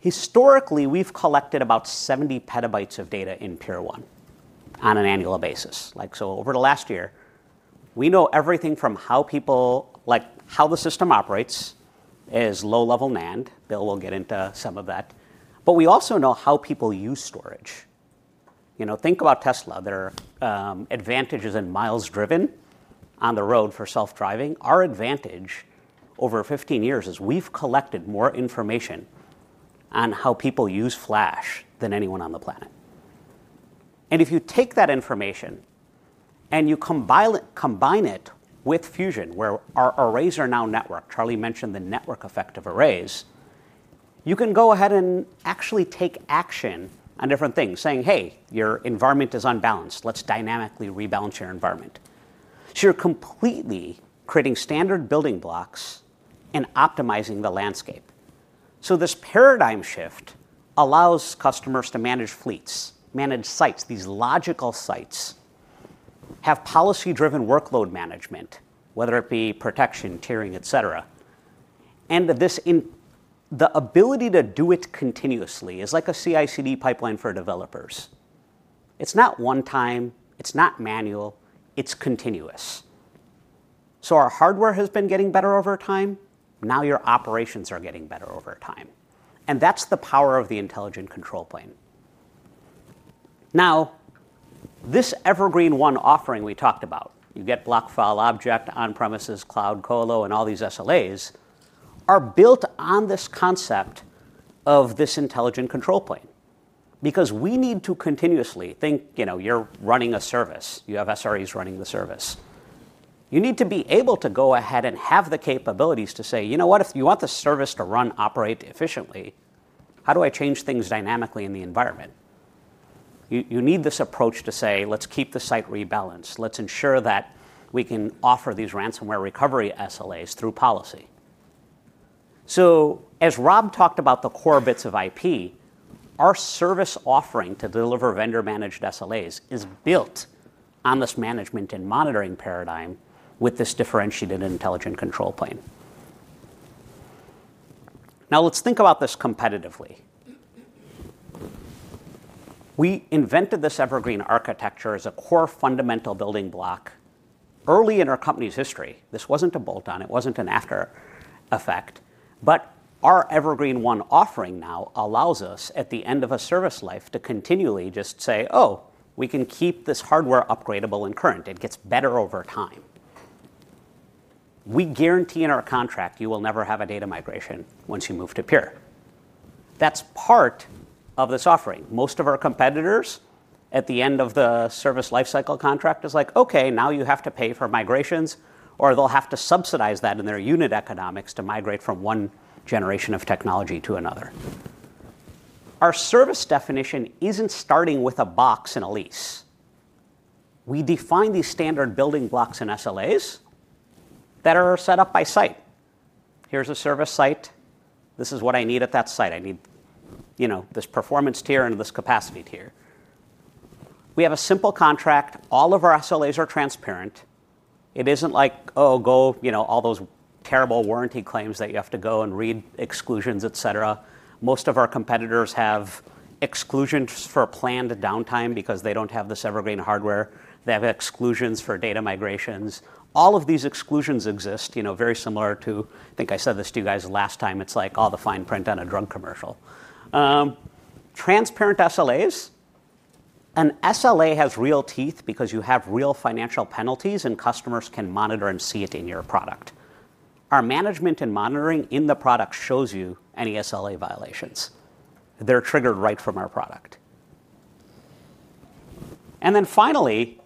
Speaker 5: Historically, we've collected about 70 petabytes of data in Pure One on an annual basis. Over the last year, we know everything from how people, like how the system operates as low-level NAND. Bill will get into some of that. We also know how people use storage. Think about Tesla. Their advantage is in miles driven on the road for self-driving. Our advantage over 15 years is we've collected more information on how people use flash than anyone on the planet. If you take that information and you combine it with Fusion, where our arrays are now networked, Charlie mentioned the network effect of arrays, you can go ahead and actually take action on different things, saying, hey, your environment is unbalanced. Let's dynamically rebalance your environment. You're completely creating standard building blocks and optimizing the landscape. This paradigm shift allows customers to manage fleets, manage sites, these logical sites, have policy-driven workload management, whether it be protection, tiering, etc. The ability to do it continuously is like a CI/CD pipeline for developers. It's not one-time, it's not manual, it's continuous. Our hardware has been getting better over time. Now your operations are getting better over time. That's the power of the intelligent control plane. This Evergreen//One offering we talked about, you get block, file, object, on-premises, cloud, colo, and all these SLAs are built on this concept of this intelligent control plane. We need to continuously think, you know, you're running a service, you have SREs running the service. You need to be able to go ahead and have the capabilities to say, you know what, if you want the service to run, operate efficiently, how do I change things dynamically in the environment? You need this approach to say, let's keep the site rebalanced, let's ensure that we can offer these ransomware recovery SLAs through policy. As Rob talked about, the core bits of IP, our service offering to deliver vendor-managed SLAs is built on this management and monitoring paradigm with this differentiated intelligent control plane. Now let's think about this competitively. We invented this Evergreen architecture as a core fundamental building block. Early in our company's history, this wasn't a bolt-on, it wasn't an after-effect, but our Evergreen//One offering now allows us at the end of a service life to continually just say, oh, we can keep this hardware upgradable and current. It gets better over time. We guarantee in our contract you will never have a data migration once you move to Pure Storage. That's part of this offering. Most of our competitors at the end of the service lifecycle contract are like, okay, now you have to pay for migrations, or they'll have to subsidize that in their unit economics to migrate from one generation of technology to another. Our service definition isn't starting with a box and a lease. We define these standard building blocks and SLAs that are set up by site. Here's a service site. This is what I need at that site. I need, you know, this performance tier and this capacity tier. We have a simple contract. All of our SLAs are transparent. It isn't like, oh, go, you know, all those terrible warranty claims that you have to go and read exclusions, etc. Most of our competitors have exclusions for planned downtime because they don't have this Evergreen hardware. They have exclusions for data migrations. All of these exclusions exist, you know, very similar to, I think I said this to you guys last time, it's like all the fine print on a drug commercial. Transparent SLAs, an SLA has real teeth because you have real financial penalties and customers can monitor and see it in your product. Our management and monitoring in the product shows you any SLA violations. They're triggered right from our product. Finally,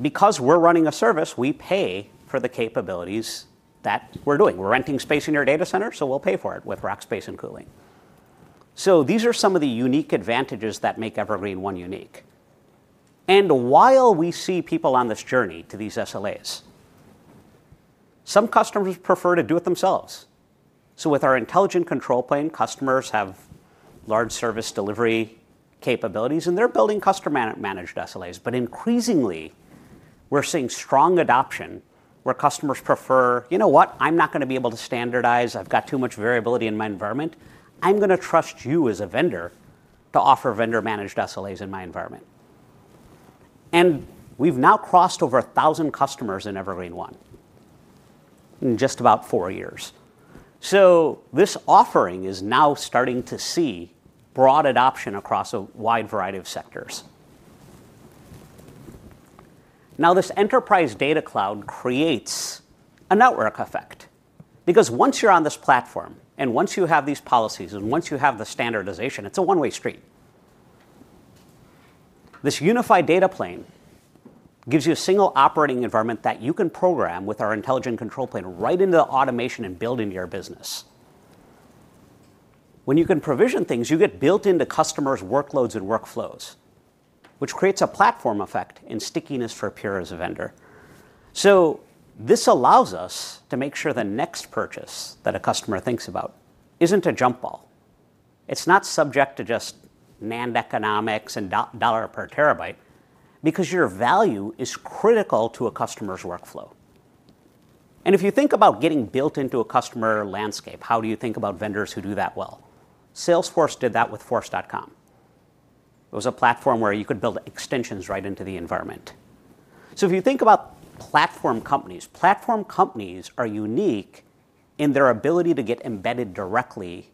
Speaker 5: because we're running a service, we pay for the capabilities that we're doing. We're renting space in your data center, so we'll pay for it with rack space and cooling. These are some of the unique advantages that make Evergreen//One unique. While we see people on this journey to these SLAs, some customers prefer to do it themselves. With our intelligent control plane, customers have large service delivery capabilities and they're building customer-managed SLAs. Increasingly, we're seeing strong adoption where customers prefer, you know what, I'm not going to be able to standardize. I've got too much variability in my environment. I'm going to trust you as a vendor to offer vendor-managed SLAs in my environment. We've now crossed over 1,000 customers in Evergreen//One in just about four years. This offering is now starting to see broad adoption across a wide variety of sectors. This enterprise data cloud creates a network effect because once you're on this platform and once you have these policies and once you have the standardization, it's a one-way street. This unified data plane gives you a single operating environment that you can program with our intelligent control plane right into the automation and build in your business. When you can provision things, you get built into customers' workloads and workflows, which creates a platform effect and stickiness for Pure Storage as a vendor. This allows us to make sure the next purchase that a customer thinks about isn't a jump ball. It's not subject to just NAND economics and dollar per terabyte because your value is critical to a customer's workflow. If you think about getting built into a customer landscape, how do you think about vendors who do that well? Salesforce did that with force.com. It was a platform where you could build extensions right into the environment. If you think about platform companies, platform companies are unique in their ability to get embedded directly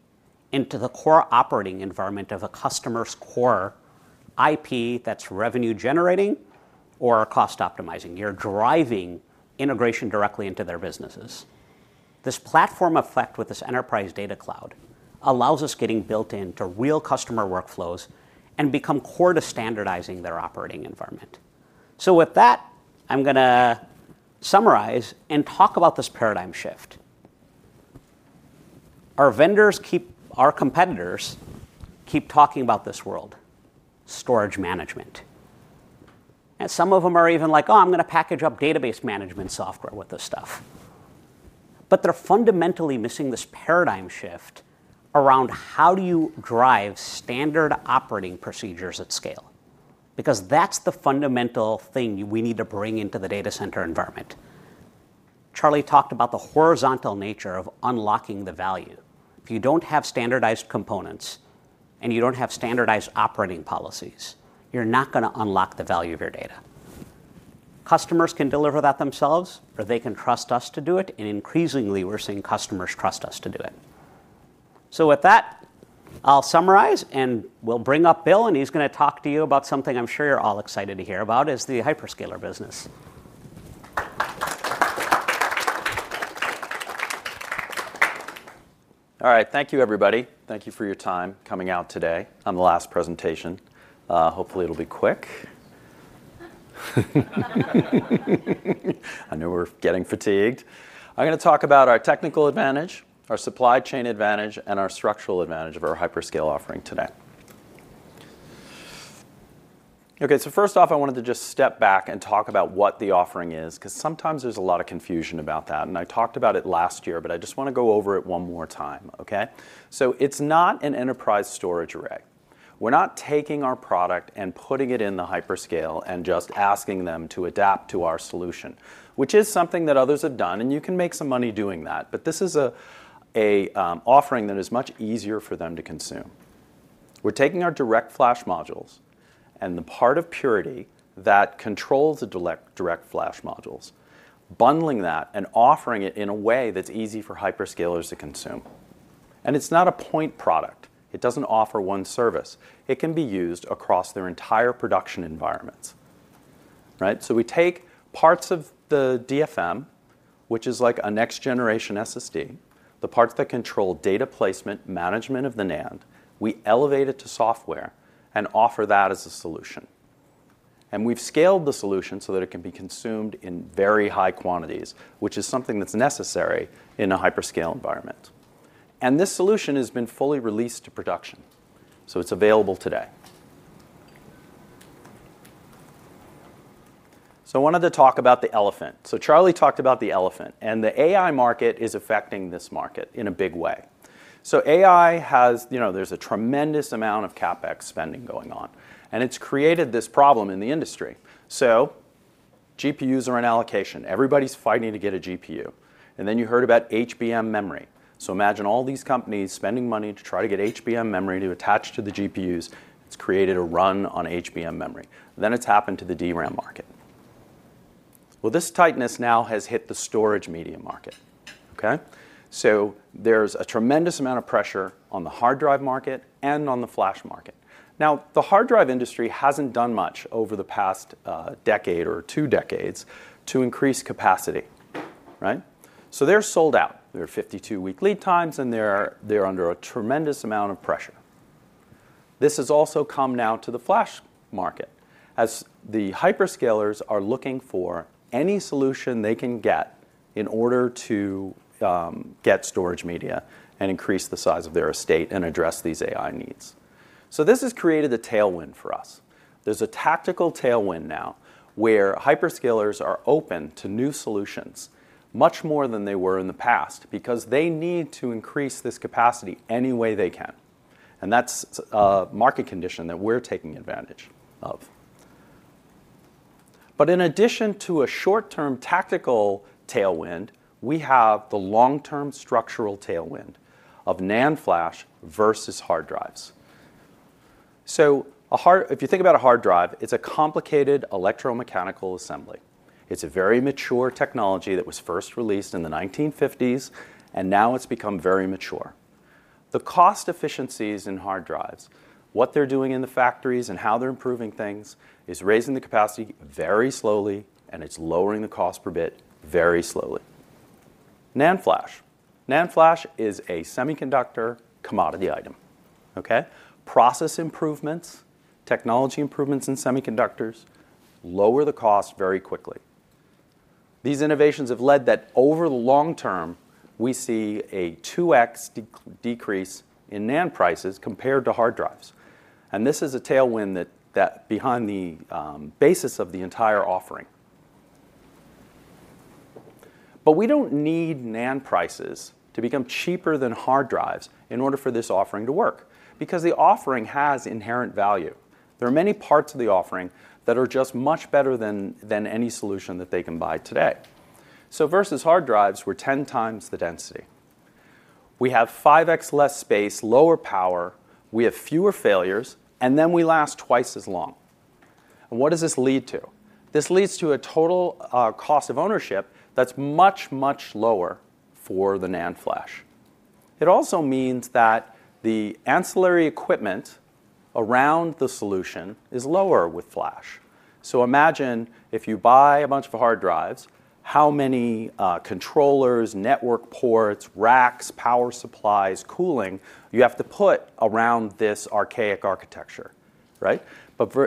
Speaker 5: into the core operating environment of a customer's core IP that's revenue generating or cost optimizing. You're driving integration directly into their businesses. This platform effect with this enterprise data cloud allows us getting built into real customer workflows and become core to standardizing their operating environment. I'm going to summarize and talk about this paradigm shift. Our competitors keep talking about this world, storage management. Some of them are even like, oh, I'm going to package up database management software with this stuff. They're fundamentally missing this paradigm shift around how do you drive standard operating procedures at scale? That's the fundamental thing we need to bring into the data center environment. Charlie Giancarlo talked about the horizontal nature of unlocking the value. If you don't have standardized components and you don't have standardized operating policies, you're not going to unlock the value of your data. Customers can deliver that themselves or they can trust us to do it. Increasingly, we're seeing customers trust us to do it. With that, I'll summarize and we'll bring up Bill, and he's going to talk to you about something I'm sure you're all excited to hear about, which is the hyperscaler business.
Speaker 6: All right, thank you everybody. Thank you for your time coming out today on the last presentation. Hopefully, it'll be quick. I know we're getting fatigued. I'm going to talk about our technical advantage, our supply chain advantage, and our structural advantage of our hyperscale offering today. First off, I wanted to just step back and talk about what the offering is because sometimes there's a lot of confusion about that. I talked about it last year, but I just want to go over it one more time. It's not an enterprise storage array. We're not taking our product and putting it in the hyperscale and just asking them to adapt to our solution, which is something that others have done, and you can make some money doing that. This is an offering that is much easier for them to consume. We're taking our DirectFlash modules and the part of Purity that controls the DirectFlash modules, bundling that and offering it in a way that's easy for hyperscalers to consume. It's not a point product. It doesn't offer one service. It can be used across their entire production environments. We take parts of the DFM, which is like a next-generation SSD, the parts that control data placement, management of the NAND, we elevate it to software and offer that as a solution. We've scaled the solution so that it can be consumed in very high quantities, which is something that's necessary in a hyperscale environment. This solution has been fully released to production. It's available today. I wanted to talk about the elephant. Charlie talked about the elephant, and the AI market is affecting this market in a big way. AI has, you know, there's a tremendous amount of CapEx spending going on, and it's created this problem in the industry. GPUs are in allocation. Everybody's fighting to get a GPU. You heard about HBM memory. Imagine all these companies spending money to try to get HBM memory to attach to the GPUs. It's created a run on HBM memory. It's happened to the DRAM market. This tightness now has hit the storage media market. There's a tremendous amount of pressure on the hard drive market and on the flash market. The hard drive industry hasn't done much over the past decade or two decades to increase capacity. They're sold out. There are 52 week lead times, and they're under a tremendous amount of pressure. This has also come now to the flash market, as the hyperscalers are looking for any solution they can get in order to get storage media and increase the size of their estate and address these AI needs. This has created a tailwind for us. There's a tactical tailwind now where hyperscalers are open to new solutions much more than they were in the past because they need to increase this capacity any way they can. That's a market condition that we're taking advantage of. In addition to a short-term tactical tailwind, we have the long-term structural tailwind of NAND flash versus hard drives. If you think about a hard drive, it's a complicated electromechanical assembly. It's a very mature technology that was first released in the 1950s, and now it's become very mature. The cost efficiencies in hard drives, what they're doing in the factories and how they're improving things, is raising the capacity very slowly, and it's lowering the cost per bit very slowly. NAND flash is a semiconductor commodity item. Process improvements, technology improvements in semiconductors lower the cost very quickly. These innovations have led that over the long term, we see a 2x decrease in NAND prices compared to hard drives. This is a tailwind that's behind the basis of the entire offering. We don't need NAND prices to become cheaper than hard drives in order for this offering to work because the offering has inherent value. There are many parts of the offering that are just much better than any solution that they can buy today. Versus hard drives, we're 10x the density. We have 5x less space, lower power, we have fewer failures, and then we last twice as long. What does this lead to? This leads to a total cost of ownership that's much, much lower for the NAND flash. It also means that the ancillary equipment around the solution is lower with flash. Imagine if you buy a bunch of hard drives, how many controllers, network ports, racks, power supplies, cooling you have to put around this archaic architecture, right?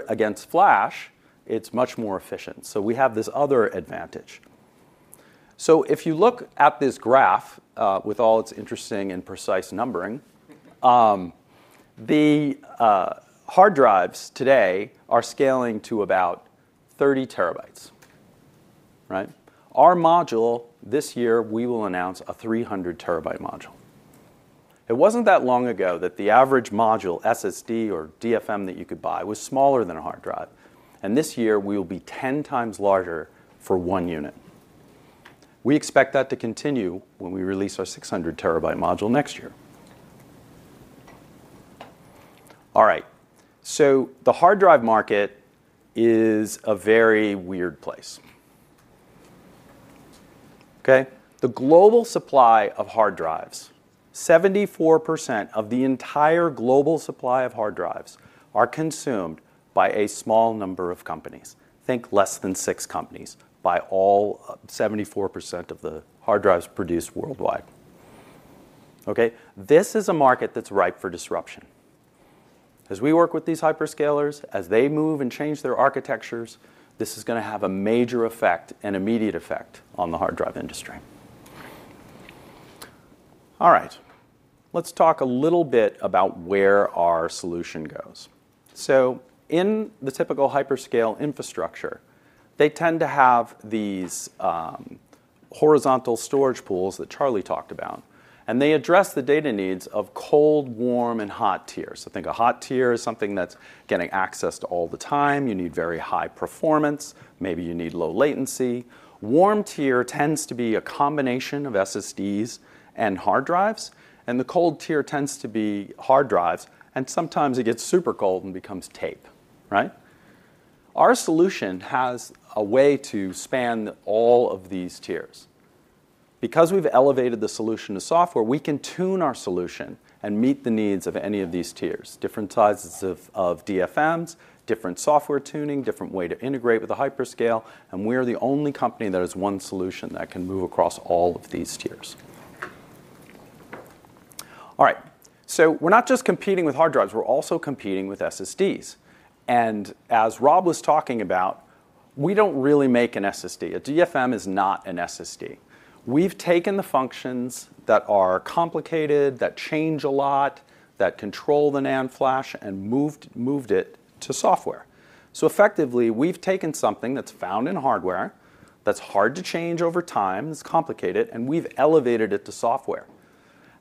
Speaker 6: Against flash, it's much more efficient. We have this other advantage. If you look at this graph with all its interesting and precise numbering, the hard drives today are scaling to about 30 terabytes. Our module this year, we will announce a 300 terabyte module. It wasn't that long ago that the average module SSD or DFM that you could buy was smaller than a hard drive. This year, we will be 10x larger for one unit. We expect that to continue when we release our 600 terabyte module next year. The hard drive market is a very weird place. The global supply of hard drives, 74% of the entire global supply of hard drives, is consumed by a small number of companies. Think less than six companies buy all 74% of the hard drives produced worldwide. This is a market that's ripe for disruption. As we work with these hyperscalers, as they move and change their architectures, this is going to have a major effect and immediate effect on the hard drive industry. Let's talk a little bit about where our solution goes. In the typical hyperscale infrastructure, they tend to have these horizontal storage pools that Charlie Giancarlo talked about, and they address the data needs of cold, warm, and hot tiers. A hot tier is something that's getting access to all the time. You need very high. High Performance, maybe you need low latency. Warm tier tends to be a combination of SSDs and hard drives, and the cold tier tends to be hard drives, and sometimes it gets super cold and becomes tape, right? Our solution has a way to span all of these tiers. Because we've elevated the solution to software, we can tune our solution and meet the needs of any of these tiers. Different sizes of DFMs, different software tuning, different way to integrate with the hyperscale, and we are the only company that has one solution that can move across all of these tiers. We're not just competing with hard drives, we're also competing with SSDs. As Rob was talking about, we don't really make an SSD. A DFM is not an SSD. We've taken the functions that are complicated, that change a lot, that control the NAND flash, and moved it to software. Effectively, we've taken something that's found in hardware, that's hard to change over time, that's complicated, and we've elevated it to software.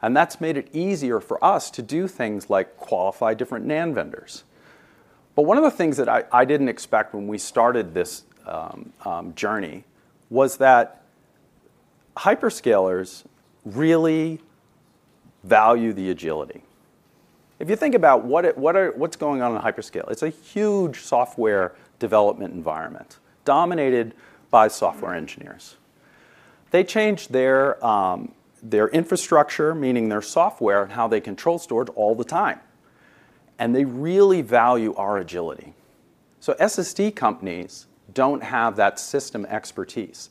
Speaker 6: That's made it easier for us to do things like qualify different NAND vendors. One of the things that I didn't expect when we started this journey was that hyperscalers really value the agility. If you think about what's going on in hyperscale, it's a huge software development environment dominated by software engineers. They change their infrastructure, meaning their software, and how they control storage all the time. They really value our agility. SSD companies don't have that system expertise.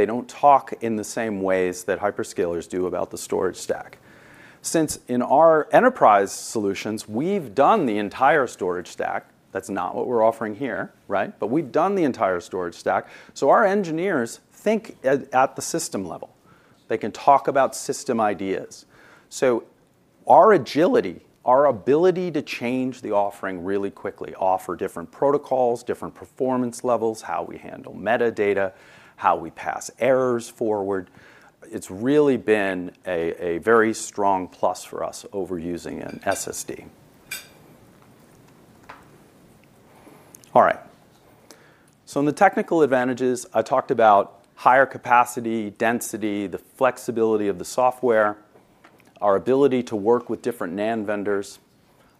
Speaker 6: They don't talk in the same ways that hyperscalers do about the storage stack. In our enterprise solutions, we've done the entire storage stack. That's not what we're offering here, right? We've done the entire storage stack. Our engineers think at the system level. They can talk about system ideas. Our agility, our ability to change the offering really quickly, offer different protocols, different performance levels, how we handle metadata, how we pass errors forward, it's really been a very strong plus for us over using an SSD. In the technical advantages, I talked about higher capacity, density, the flexibility of the software, our ability to work with different NAND vendors.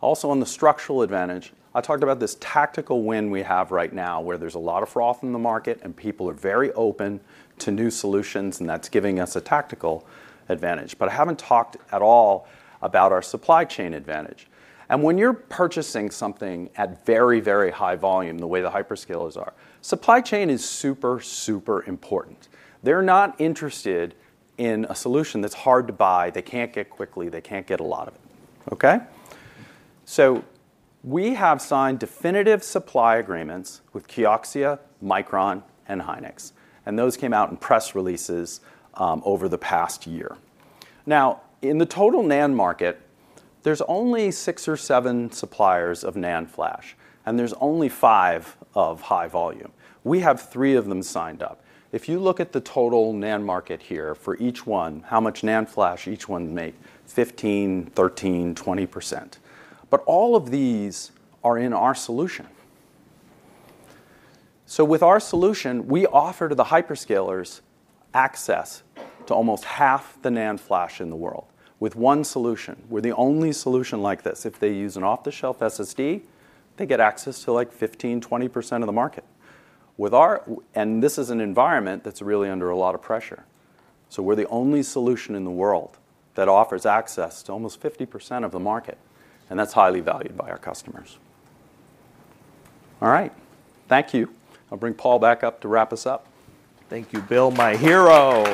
Speaker 6: Also, on the structural advantage, I talked about this tactical win we have right now where there's a lot of froth in the market and people are very open to new solutions, and that's giving us a tactical advantage. I haven't talked at all about our supply chain advantage. When you're purchasing something at very, very high volume, the way the hyperscalers are, supply chain is super, super important. They're not interested in a solution that's hard to buy, they can't get quickly, they can't get a lot of it. We have signed definitive supply agreements with Kioxia, Micron, and Hynix. Those came out in press releases over the past year. In the total NAND market, there's only six or seven suppliers of NAND flash, and there's only five of high volume. We have three of them signed up. If you look at the total NAND market here, for each one, how much NAND flash each one makes: 15%, 13%, 20%. All of these are in our solution. With our solution, we offer to the hyperscalers access to almost half the NAND flash in the world. With one solution, we're the only solution like this. If they use an off-the-shelf SSD, they get access to like 15%-20% of the market. This is an environment that's really under a lot of pressure. We're the only solution in the world that offers access to almost 50% of the market. That's highly valued by our customers. Thank you. I'll bring Paul back up to wrap us up.
Speaker 2: Thank you, Bill, my hero.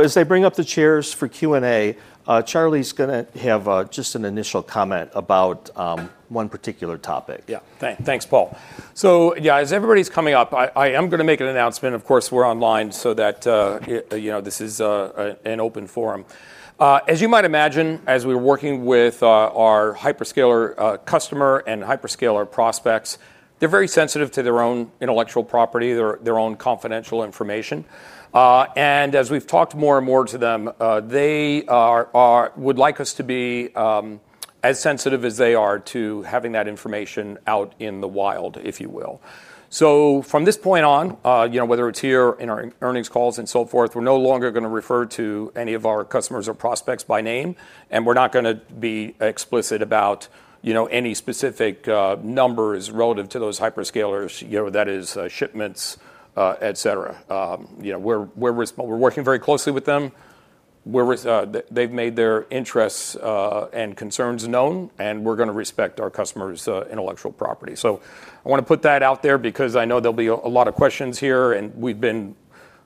Speaker 2: As they bring up the chairs for Q&A, Charlie Giancarlo is going to have just an initial comment about one particular topic.
Speaker 3: Yeah, thanks, Paul. As everybody's coming up, I am going to make an announcement. Of course, we're online so that, you know, this is an open forum. As you might imagine, as we're working with our hyperscaler customer and hyperscaler prospects, they're very sensitive to their own intellectual property, their own confidential information. As we've talked more and more to them, they would like us to be as sensitive as they are to having that information out in the wild, if you will. From this point on, whether it's here in our earnings calls and so forth, we're no longer going to refer to any of our customers or prospects by name, and we're not going to be explicit about any specific numbers relative to those hyperscalers, that is shipments, etc. We're working very closely with them. They've made their interests and concerns known, and we're going to respect our customers' intellectual property. I want to put that out there because I know there'll be a lot of questions here, and we've been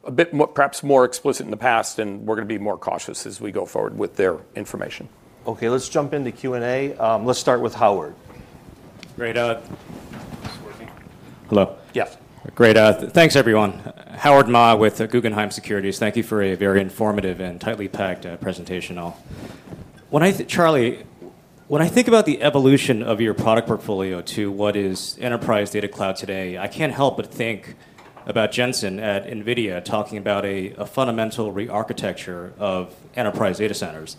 Speaker 3: a bit perhaps more explicit in the past, and we're going to be more cautious as we go forward with their information.
Speaker 2: Okay, let's jump into Q&A. Let's start with Howard.
Speaker 7: Great. Hello.
Speaker 3: Yeah.
Speaker 7: Great. Thanks, everyone. Howard Ma with Guggenheim Securities. Thank you for a very informative and tightly packed presentation. When I think, Charlie, when I think about the evolution of your product portfolio to what is enterprise data cloud today, I can't help but think about Jensen at Nvidia talking about a fundamental re-architecture of enterprise data centers.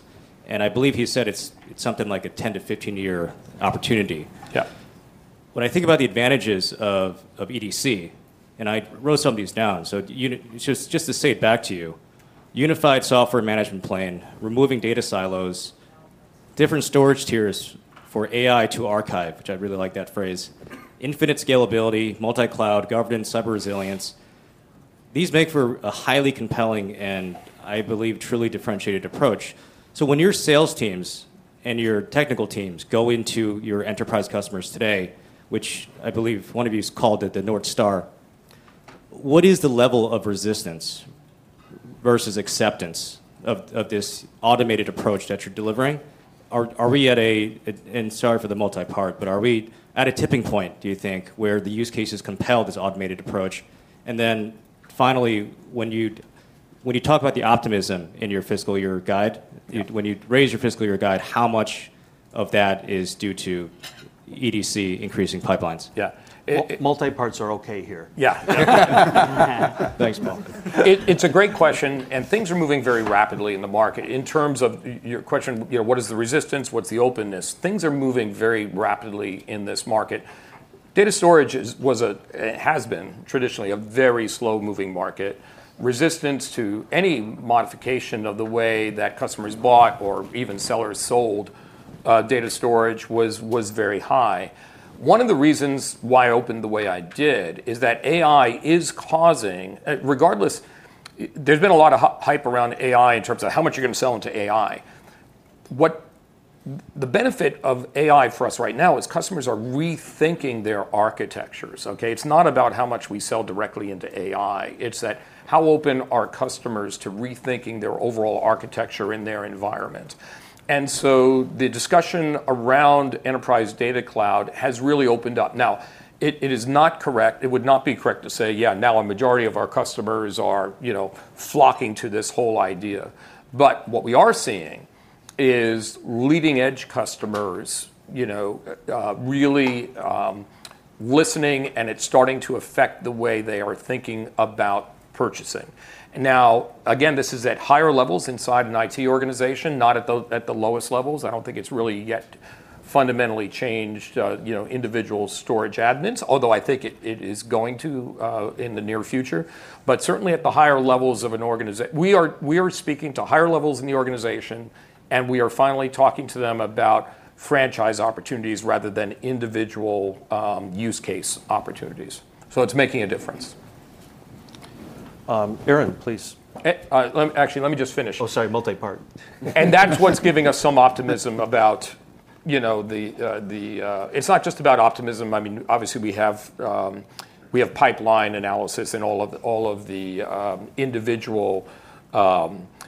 Speaker 7: I believe he said it's something like a 10 to 15-year opportunity.
Speaker 3: Yeah.
Speaker 7: When I think about the advantages of EDC, and I wrote some of these down, just to say it back to you, unified software management plane, removing data silos, different storage tiers for AI to archive, which I really like that phrase, infinite scalability, multi-cloud, governance, cyber resilience, these make for a highly compelling and I believe truly differentiated approach. When your sales teams and your technical teams go into your enterprise customers today, which I believe one of you called it the North Star, what is the level of resistance versus acceptance of this automated approach that you're delivering? Are we at a tipping point, do you think, where the use cases compel this automated approach? Finally, when you talk about the optimism in your fiscal year guide, when you raise your fiscal year guide, how much of that is due to EDC increasing pipelines?
Speaker 2: Yeah, multi-parts are okay here.
Speaker 6: Yeah.
Speaker 3: Thanks, Bill. It's a great question, and things are moving very rapidly in the market in terms of your question, you know, what is the resistance? What's the openness? Things are moving very rapidly in this market. Data storage has been traditionally a very slow-moving market. Resistance to any modification of the way that customers bought or even sellers sold data storage was very high. One of the reasons why I opened the way I did is that AI is causing, regardless, there's been a lot of hype around AI in terms of how much you're going to sell into AI. The benefit of AI for us right now is customers are rethinking their architectures. Okay, it's not about how much we sell directly into AI. It's that how open are customers to rethinking their overall architecture in their environment? The discussion around enterprise data cloud has really opened up. It is not correct. It would not be correct to say, yeah, now a majority of our customers are, you know, flocking to this whole idea. What we are seeing is leading-edge customers, you know, really listening, and it's starting to affect the way they are thinking about purchasing. This is at higher levels inside an IT organization, not at the lowest levels. I don't think it's really yet fundamentally changed, you know, individual storage admins, although I think it is going to in the near future. Certainly at the higher levels of an organization, we are speaking to higher levels in the organization, and we are finally talking to them about franchise opportunities rather than individual use case opportunities. It's making a difference.
Speaker 2: Aaron, please.
Speaker 6: Actually, let me just finish.
Speaker 2: Oh, sorry, multi-part.
Speaker 6: That's what's giving us some optimism about, you know, it's not just about optimism. I mean, obviously, we have pipeline analysis and all of the individual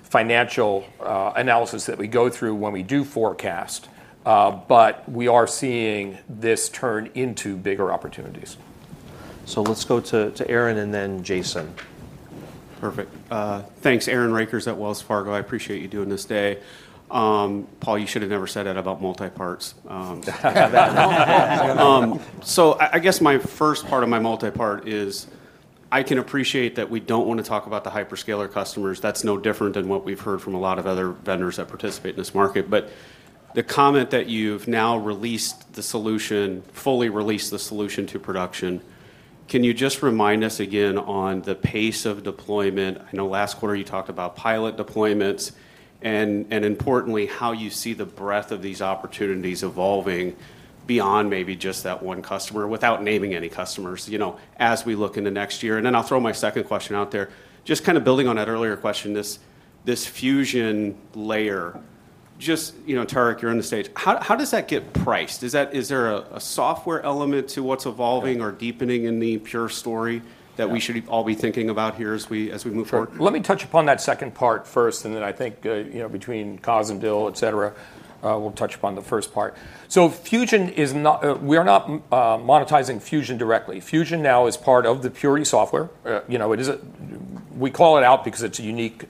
Speaker 6: financial analysis that we go through when we do forecast. We are seeing this turn into bigger opportunities.
Speaker 2: Let's go to Aaron and then Jason.
Speaker 8: Perfect. Thanks, Aaron Rakers at Wells Fargo. I appreciate you doing this day. Paul, you should have never said that about multi-parts. My first part of my multi-part is I can appreciate that we don't want to talk about the hyperscaler customers. That's no different than what we've heard from a lot of other vendors that participate in this market. The comment that you've now released the solution, fully released the solution to production, can you just remind us again on the pace of deployment? I know last quarter you talked about pilot deployments, and importantly, how you see the breadth of these opportunities evolving beyond maybe just that one customer without naming any customers, you know, as we look into next year. I'll throw my second question out there, just kind of building on that earlier question, this Fusion layer, just, you know, Tarek, you're in the stage. How does that get priced? Is there a software element to what's evolving or deepening in the Pure Storage story that we should all be thinking about here as we move forward?
Speaker 3: Let me touch upon that second part first, and then I think, you know, between Kaz and Bill, et cetera, we'll touch upon the first part. Fusion is not, we are not monetizing Fusion directly. Fusion now is part of the Purity software. You know, it is, we call it out because it's a unique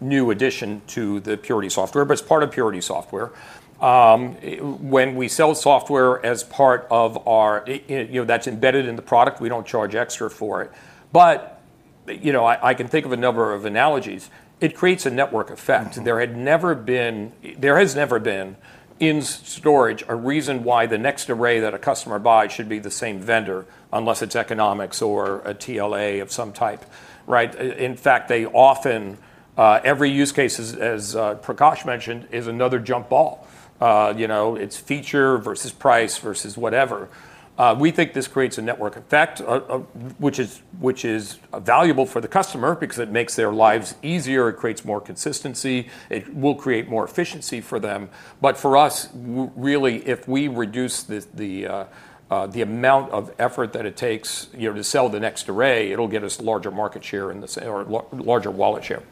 Speaker 3: new addition to the Purity software, but it's part of Purity software. When we sell software as part of our, you know, that's embedded in the product, we don't charge extra for it. I can think of a number of analogies. It creates a network effect. There had never been, there has never been in storage a reason why the next array that a customer buys should be the same vendor, unless it's economics or a TLA of some type, right? In fact, they often, every use case, as Prakash mentioned, is another jump ball. You know, it's feature versus price versus whatever. We think this creates a network effect, which is valuable for the customer because it makes their lives easier. It creates more consistency. It will create more efficiency for them. For us, really, if we reduce the amount of effort that it takes, you know, to sell the next array, it'll give us a larger market share or a larger wallet share.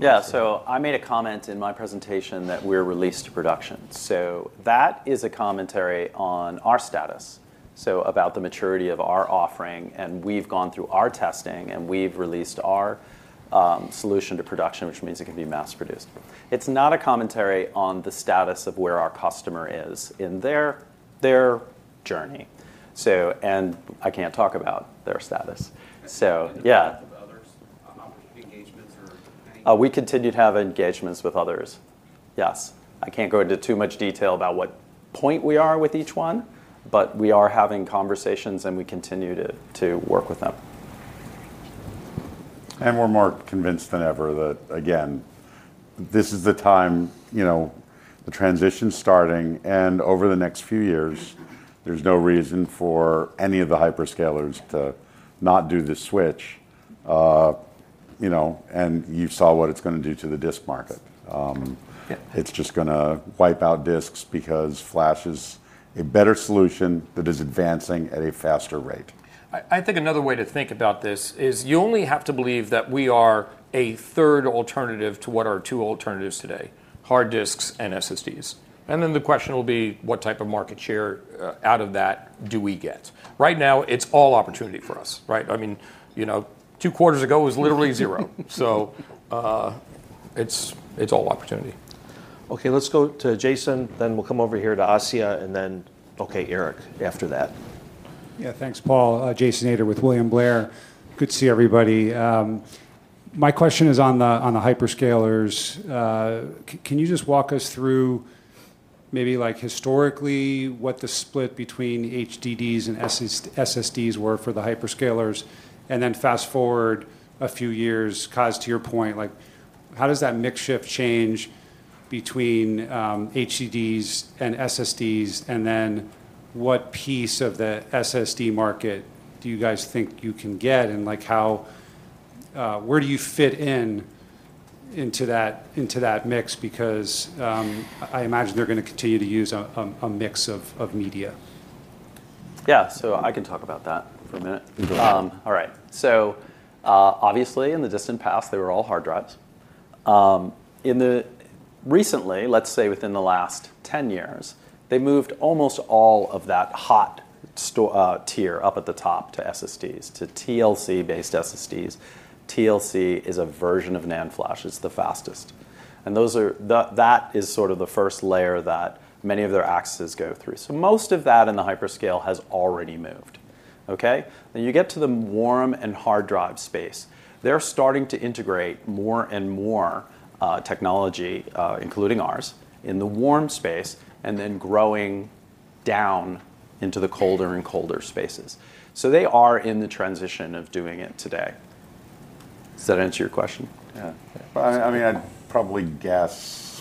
Speaker 6: I made a comment in my presentation that we're released to production. That is a commentary on our status, about the maturity of our offering, and we've gone through our testing, and we've released our solution to production, which means it can be mass produced. It's not a commentary on the status of where our customer is in their journey. I can't talk about their status. We continued to have engagements with others. I can't go into too much detail about what point we are with each one, but we are having conversations, and we continue to work with them.
Speaker 9: We are more convinced than ever that this is the time, you know, the transition's starting, and over the next few years, there's no reason for any of the hyperscalers to not do this switch. You saw what it's going to do to the disk market. It's just going to wipe out disks because flash is a better solution that is advancing at a faster rate.
Speaker 3: I think another way to think about this is you only have to believe that we are a third alternative to what are two alternatives today: hard disks and SSDs. The question will be, what type of market share out of that do we get? Right now, it's all opportunity for us, right? I mean, two quarters ago it was literally zero. It's all opportunity.
Speaker 2: Okay, let's go to Jason, then we'll come over here to [Asya], and then, okay, Erik, after that.
Speaker 10: Yeah, thanks, Paul. Jason Ader with William Blair. Good to see everybody. My question is on the hyperscalers. Can you just walk us through maybe like historically what the split between HDDs and SSDs were for the hyperscalers? Fast forward a few years, Kaz, to your point, how does that makeshift change between HDDs and SSDs? What piece of the SSD market do you guys think you can get, and where do you fit in into that mix? I imagine they're going to continue to use a mix of media.
Speaker 6: Yeah, I can talk about that for a minute. All right. Obviously, in the distant past, they were all hard drives. Recently, let's say within the last 10 years, they moved almost all of that hot tier up at the top to SSDs, to TLC-based SSDs. TLC is a version of NAND flash. It's the fastest. That is sort of the first layer that many of their accesses go through. Most of that in the hyperscale has already moved. You get to the warm and hard drive space. They're starting to integrate more and more technology, including ours, in the warm space and then growing down into the colder and colder spaces. They are in the transition of doing it today. Does that answer your question?
Speaker 9: Yeah, I mean, I'd probably guess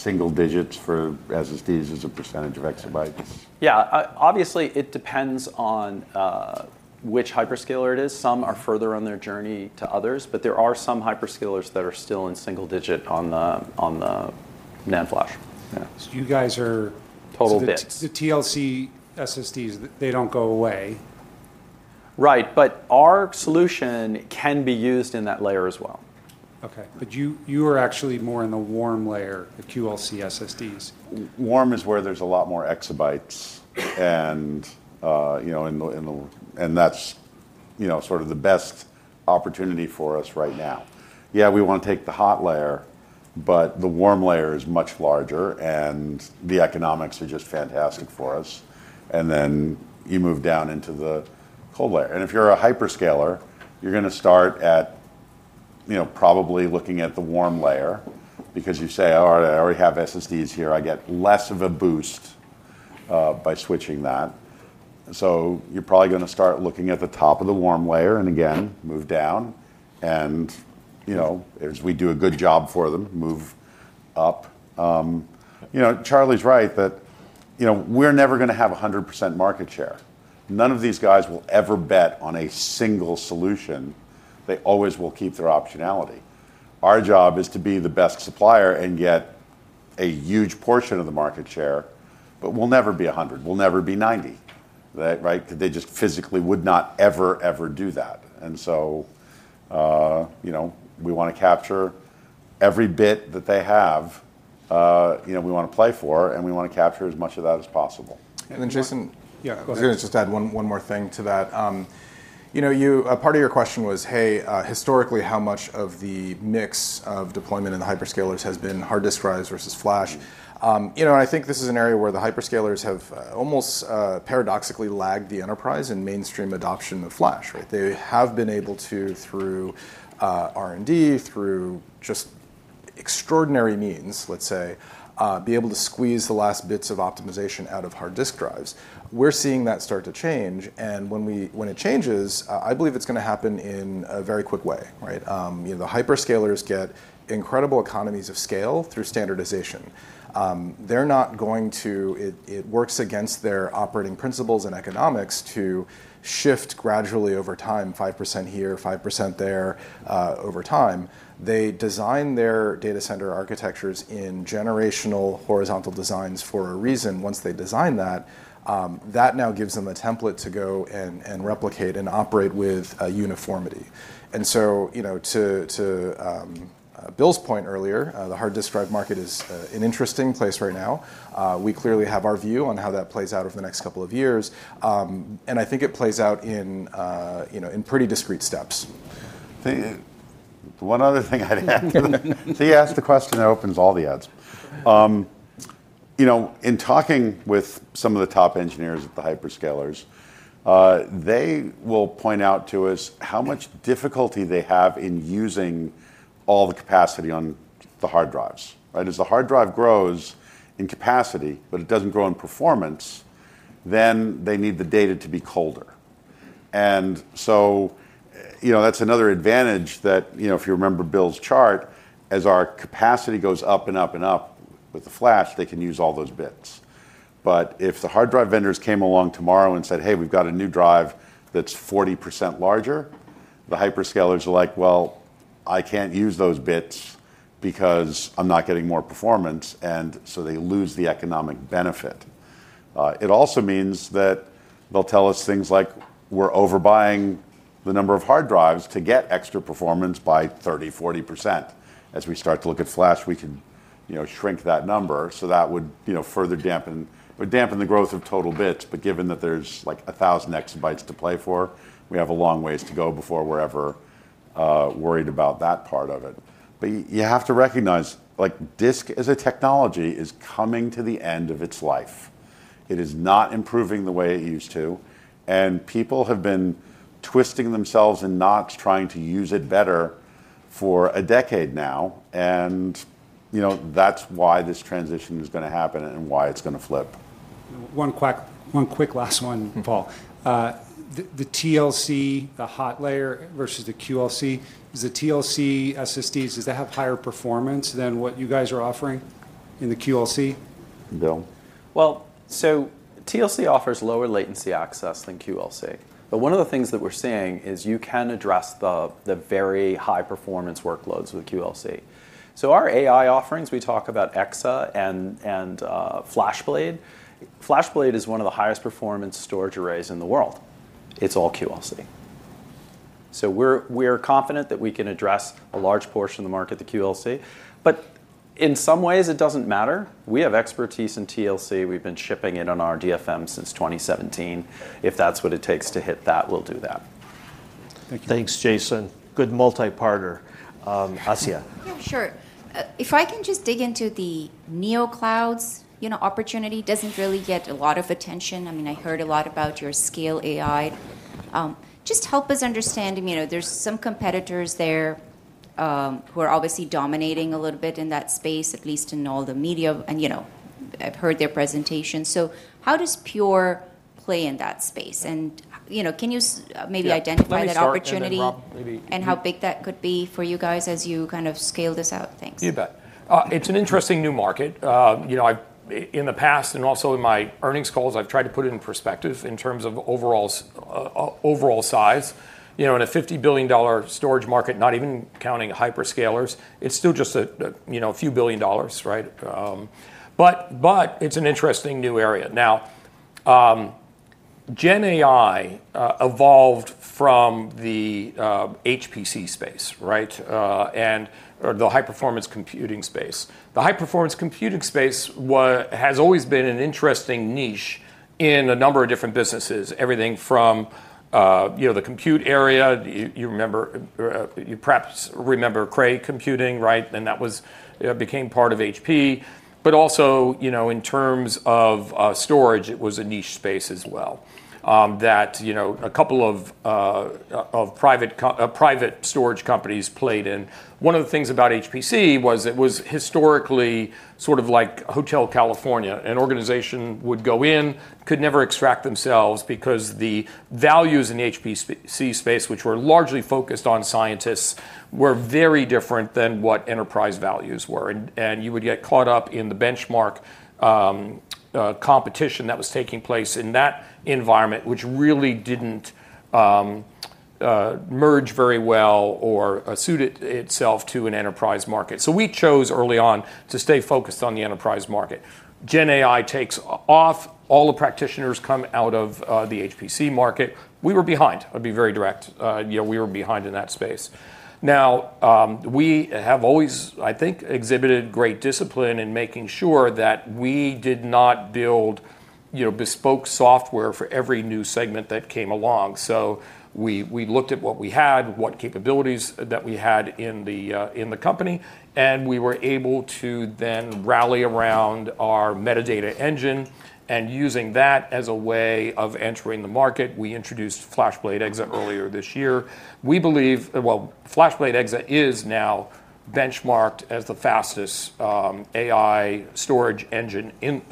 Speaker 9: single digits for SSDs as a % of exabytes.
Speaker 6: Yeah, obviously it depends on which hyperscaler it is. Some are further on their journey than others, but there are some hyperscalers that are still in single digit on the NAND flash.
Speaker 10: You guys are a total fit. The TLC SSDs, they don't go away.
Speaker 6: Right, but our solution can be used in that layer as well.
Speaker 10: Okay, you are actually more in the warm layer, the QLC SSDs.
Speaker 9: Warm is where there's a lot more exabytes, and that's sort of the best opportunity for us right now. Yeah, we want to take the hot layer, but the warm layer is much larger, and the economics are just fantastic for us. You move down into the cold layer. If you're a hyperscaler, you're going to start at probably looking at the warm layer because you say, all right, I already have SSDs here. I get less of a boost by switching that. You're probably going to start looking at the top of the warm layer and again move down. As we do a good job for them, move up. Charlie's right that we're never going to have 100% market share. None of these guys will ever bet on a single solution. They always will keep their optionality. Our job is to be the best supplier and get a huge portion of the market share, but we'll never be 100%. We'll never be 90%, right? They just physically would not ever, ever do that. We want to capture every bit that they have, we want to play for, and we want to capture as much of that as possible.
Speaker 4: Jason, I was going to just add one more thing to that. A part of your question was, historically, how much of the mix of deployment in the hyperscalers has been hard disk drives versus flash? I think this is an area where the hyperscalers have almost paradoxically lagged the enterprise and mainstream adoption of flash, right? They have been able to, through R&D, through just extraordinary means, let's say, be able to squeeze the last bits of optimization out of hard disk drives. We're seeing that start to change, and when it changes, I believe it's going to happen in a very quick way, right? The hyperscalers get incredible economies of scale through standardization. It works against their operating principles and economics to shift gradually over time, 5% here, 5% there, over time. They design their data center architectures in generational horizontal designs for a reason. Once they design that, that now gives them a template to go and replicate and operate with uniformity. To Bill's point earlier, the hard disk drive market is an interesting place right now. We clearly have our view on how that plays out over the next couple of years. I think it plays out in pretty discrete steps.
Speaker 9: One other thing I'd add, you asked the question that opens all the ads. In talking with some of the top engineers at the hyperscalers, they will point out to us how much difficulty they have in using all the capacity on the hard drives, right? As the hard drive grows in capacity, but it doesn't grow in performance, they need the data to be colder. That's another advantage that, if you remember Bill's chart, as our capacity goes up and up and up with the flash, they can use all those bits. If the hard drive vendors came along tomorrow and said, "Hey, we've got a new drive that's 40% larger," the hyperscalers are like, "I can't use those bits because I'm not getting more performance," and they lose the economic benefit. It also means that they'll tell us things like, "We're overbuying the number of hard drives to get extra performance by 30%-40%. As we start to look at flash, we can shrink that number, so that would further dampen or dampen the growth of total bits." Given that there's like a thousand exabytes to play for, we have a long ways to go before we're ever worried about that part of it. You have to recognize, disk as a technology is coming to the end of its life. It is not improving the way it used to, and people have been twisting themselves in knots trying to use it better for a decade now. That's why this transition is going to happen and why it's going to flip.
Speaker 10: One quick last one, Paul. The TLC, the hot layer versus the QLC, is the TLC SSDs, does that have higher performance than what you guys are offering in the QLC?
Speaker 2: Bill?
Speaker 6: TLC offers lower latency access than QLC. One of the things that we're seeing is you can address the very high performance workloads with QLC. Our AI offerings, we talk about Exa and FlashBlade. FlashBlade is one of the highest performance storage arrays in the world. It's all QLC. We're confident that we can address a large portion of the market with QLC. In some ways, it doesn't matter. We have expertise in TLC. We've been shipping it on our DirectFlash modules since 2017. If that's what it takes to hit that, we'll do that.
Speaker 2: Thanks, Jason. Good multi-partner [Asya]. Yeah, sure. If I can just dig into the NeoClouds, you know, opportunity doesn't really get a lot of attention. I mean, I heard a lot about your ScaleAI. Just help us understand, you know, there's some competitors there who are obviously dominating a little bit in that space, at least in all the media. I've heard their presentation. How does Pure Storage play in that space? Can you maybe identify that opportunity and how big that could be for you guys as you kind of scale this out? Thanks.
Speaker 3: Feedback. It's an interesting new market. You know, in the past and also in my earnings calls, I've tried to put it in perspective in terms of overall size. You know, in a $50 billion storage market, not even counting hyperscalers, it's still just a, you know, a few billion dollars, right? It's an interesting new area. GenAI evolved from the HPC space, right? The high-performance computing space has always been an interesting niche in a number of different businesses, everything from, you know, the compute area. You remember, you perhaps remember Cray computing, right? That was, you know, became part of HPE. Also, you know, in terms of storage, it was a niche space as well that, you know, a couple of private storage companies played in. One of the things about HPC was it was historically sort of like Hotel California. An organization would go in, could never extract themselves because the values in the HPC space, which were largely focused on scientists, were very different than what enterprise values were. You would get caught up in the benchmark competition that was taking place in that environment, which really didn't merge very well or suit itself to an enterprise market. We chose early on to stay focused on the enterprise market. GenAI takes off. All the practitioners come out of the HPC market. We were behind. I'll be very direct. You know, we were behind in that space. We have always, I think, exhibited great discipline in making sure that we did not build, you know, bespoke software for every new segment that came along. We looked at what we had, what capabilities that we had in the company, and we were able to then rally around our metadata engine. Using that as a way of entering the market, we introduced FlashBlade Exa earlier this year. We believe FlashBlade Exa is now benchmarked as the fastest AI storage engine in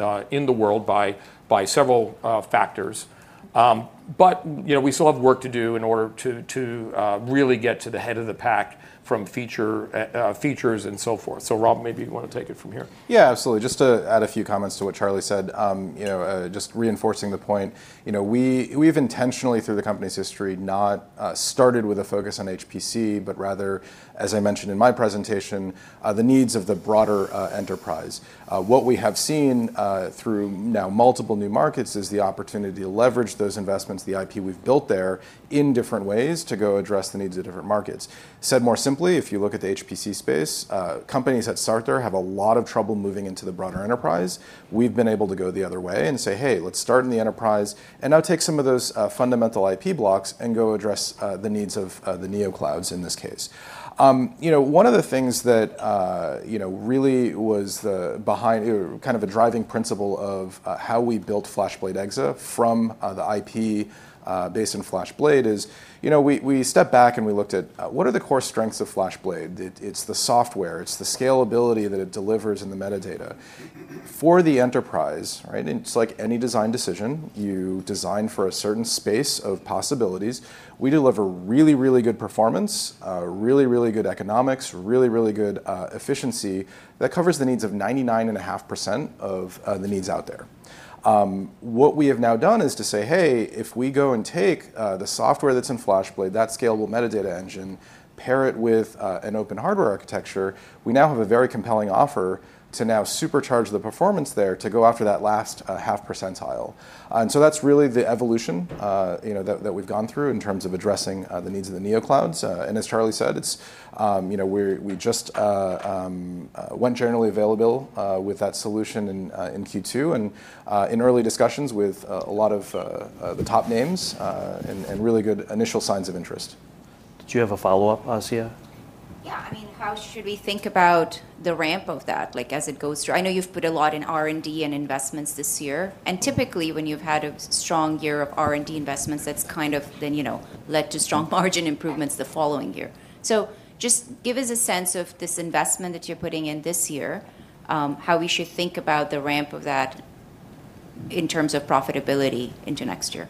Speaker 3: the world by several factors. You know, we still have work to do in order to really get to the head of the pack from features and so forth. Rob, maybe you want to take it from here.
Speaker 4: Yeah, absolutely. Just to add a few comments to what Charlie Giancarlo said, just reinforcing the point, we've intentionally, through the company's history, not started with a focus on HPC, but rather, as I mentioned in my presentation, the needs of the broader enterprise. What we have seen through now multiple new markets is the opportunity to leverage those investments, the IP we've built there in different ways to go address the needs of different markets. Said more simply, if you look at the HPC space, companies that start there have a lot of trouble moving into the broader enterprise. We've been able to go the other way and say, hey, let's start in the enterprise and now take some of those fundamental IP blocks and go address the needs of the NeoClouds in this case. One of the things that really was behind kind of a driving principle of how we built FlashBlade Exa from the IP based on FlashBlade is, we stepped back and we looked at what are the core strengths of FlashBlade. It's the software. It's the scalability that it delivers in the metadata. For the enterprise, right, and it's like any design decision, you design for a certain space of possibilities. We deliver really, really good performance, really, really good economics, really, really good efficiency that covers the needs of 99.5% of the needs out there. What we have now done is to say, hey, if we go and take the software that's in FlashBlade, that scalable metadata engine, pair it with an open hardware architecture, we now have a very compelling offer to now supercharge the performance there to go after that last half percentile. That's really the evolution that we've gone through in terms of addressing the needs of the NeoClouds. As Charlie Giancarlo said, we just went generally available with that solution in Q2 and in early discussions with a lot of the top names and really good initial signs of interest.
Speaker 2: Did you have a follow-up, [Asya]? Yeah, I mean, how should we think about the ramp of that, like as it goes through? I know you've put a lot in R&D and investments this year. Typically, when you've had a strong year of R&D investments, that's kind of then, you know, led to strong margin improvements the following year. Just give us a sense of this investment that you're putting in this year, how we should think about the ramp of that in terms of profitability into next year.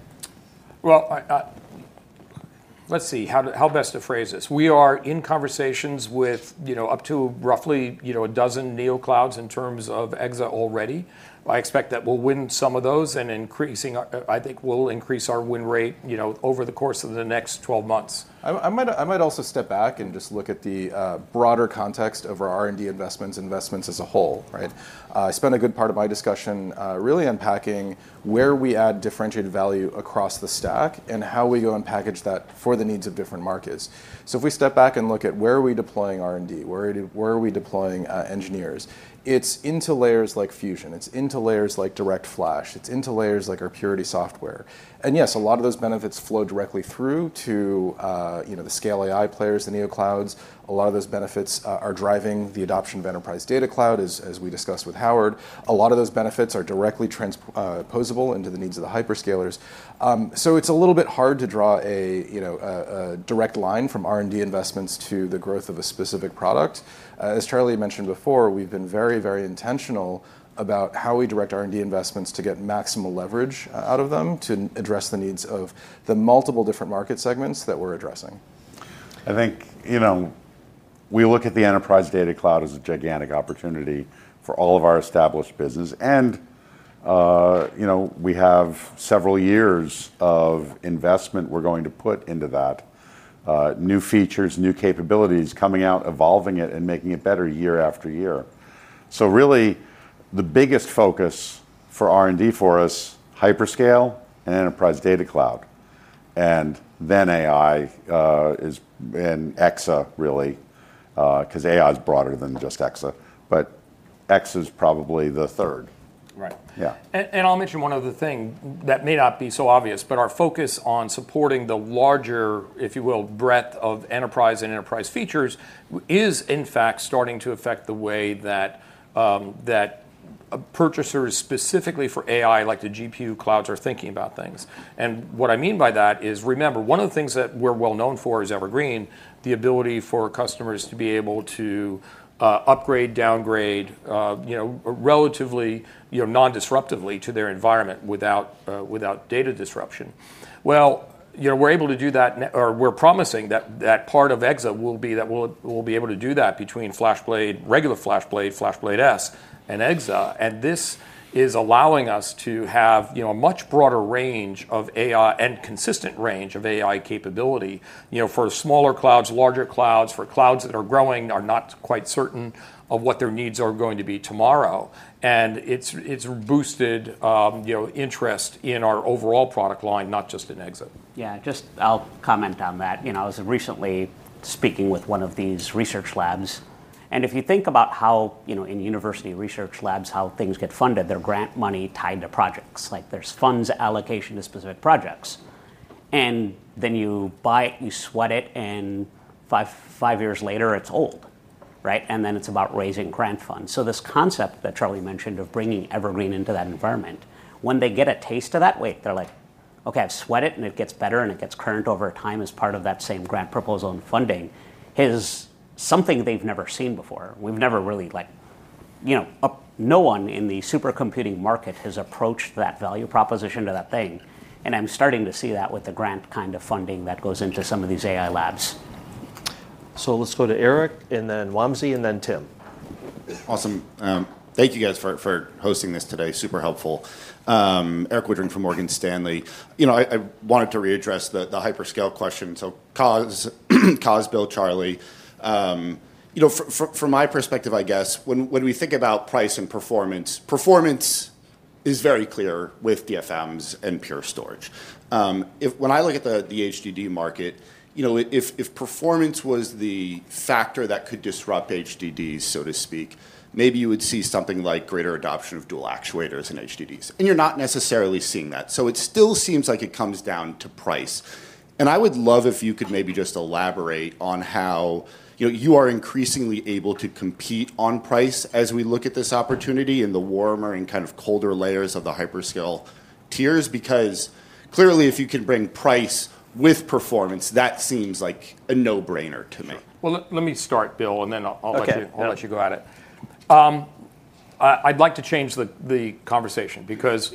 Speaker 3: We are in conversations with, you know, up to roughly, you know, a dozen NeoClouds in terms of Exa already. I expect that we'll win some of those and increasing, I think we'll increase our win rate, you know, over the course of the next 12 months.
Speaker 4: I might also step back and just look at the broader context of our R&D investments, investments as a whole, right? I spent a good part of my discussion really unpacking where we add differentiated value across the stack and how we go and package that for the needs of different markets. If we step back and look at where are we deploying R&D, where are we deploying engineers, it's into layers like Fusion. It's into layers like DirectFlash. It's into layers like our Purity software. Yes, a lot of those benefits flow directly through to, you know, the ScaleAI players, the NeoClouds. A lot of those benefits are driving the adoption of enterprise data cloud, as we discussed with Howard. A lot of those benefits are directly transposable into the needs of the hyperscalers. It's a little bit hard to draw a, you know, a direct line from R&D investments to the growth of a specific product. As Charlie mentioned before, we've been very, very intentional about how we direct R&D investments to get maximum leverage out of them to address the needs of the multiple different market segments that we're addressing.
Speaker 9: I think we look at the enterprise data cloud as a gigantic opportunity for all of our established business. We have several years of investment we're going to put into that, new features, new capabilities coming out, evolving it, and making it better year after year. The biggest focus for R&D for us is hyperscale and enterprise data cloud. AI is in Exa, really, because AI is broader than just Exa. Exa is probably the third.
Speaker 3: Right. Yeah. I'll mention one other thing that may not be so obvious, but our focus on supporting the larger, if you will, breadth of enterprise and enterprise features is, in fact, starting to affect the way that purchasers specifically for AI, like the GPU clouds, are thinking about things. What I mean by that is, remember, one of the things that we're well known for is Evergreen, the ability for customers to be able to upgrade, downgrade, you know, relatively, you know, non-disruptively to their environment without data disruption. We're able to do that, or we're promising that that part of Exa will be that we'll be able to do that between FlashBlade, regular FlashBlade, FlashBlade S, and Exa. This is allowing us to have a much broader range of AI and consistent range of AI capability for smaller clouds, larger clouds, for clouds that are growing and are not quite certain of what their needs are going to be tomorrow. It's boosted interest in our overall product line, not just in Exa.
Speaker 5: Yeah, I'll comment on that. I was recently speaking with one of these research labs. If you think about how, in university research labs, things get funded, there is grant money tied to projects. There is funds allocation to specific projects. You buy it, you sweat it, and five years later, it's old, right? Then it's about raising grant funds. This concept that Charlie Giancarlo mentioned of bringing Evergreen into that environment, when they get a taste of that, they're like, okay, I've sweated it and it gets better and it gets current over time as part of that same grant proposal and funding, is something they've never seen before. We've never really, no one in the supercomputing market has approached that value proposition to that thing. I'm starting to see that with the grant kind of funding that goes into some of these AI labs.
Speaker 2: Let's go to Erik and then Wamsi and then Tim.
Speaker 11: Awesome. Thank you guys for hosting this today. Super helpful. Erik Woodring from Morgan Stanley. I wanted to readdress the hyperscale question. Kaz, Bill, Charlie, from my perspective, I guess, when we think about price and performance, performance is very clear with DFMs and Pure Storage. When I look at the HDD market, if performance was the factor that could disrupt HDDs, so to speak, maybe you would see something like greater adoption of dual actuators in HDDs. You're not necessarily seeing that. It still seems like it comes down to price. I would love if you could maybe just elaborate on how you are increasingly able to compete on price as we look at this opportunity in the warmer and kind of colder layers of the hyperscale tiers, because clearly, if you could bring price with performance, that seems like a no-brainer to me.
Speaker 3: Let me start, Bill, and then I'll let you go at it. I'd like to change the conversation because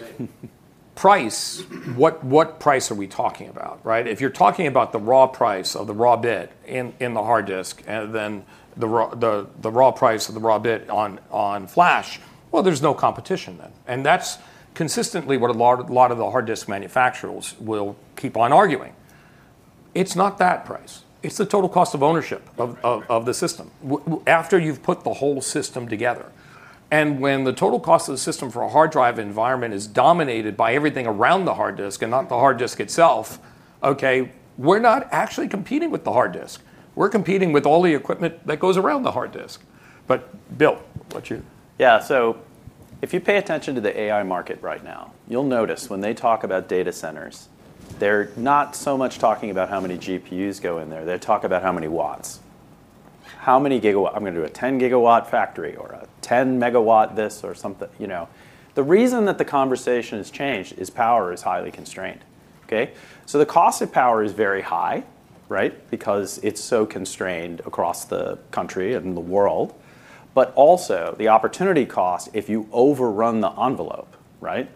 Speaker 3: price, what price are we talking about, right? If you're talking about the raw price of the raw bit in the hard disk and then the raw price of the raw bit on flash, there's no competition then. That's consistently what a lot of the hard disk manufacturers will keep on arguing. It's not that price. It's the total cost of ownership of the system after you've put the whole system together. When the total cost of the system for a hard drive environment is dominated by everything around the hard disk and not the hard disk itself, we're not actually competing with the hard disk. We're competing with all the equipment that goes around the hard disk. Bill, what's your?
Speaker 6: Yeah, so if you pay attention to the AI market right now, you'll notice when they talk about data centers, they're not so much talking about how many GPUs go in there. They talk about how many watts. How many gigawatts? I'm going to do a 10 gigawatt factory or a 10 megawatt this or something, you know. The reason that the conversation has changed is power is highly constrained. The cost of power is very high, right? Because it's so constrained across the country and the world. Also, the opportunity cost if you overrun the envelope, right?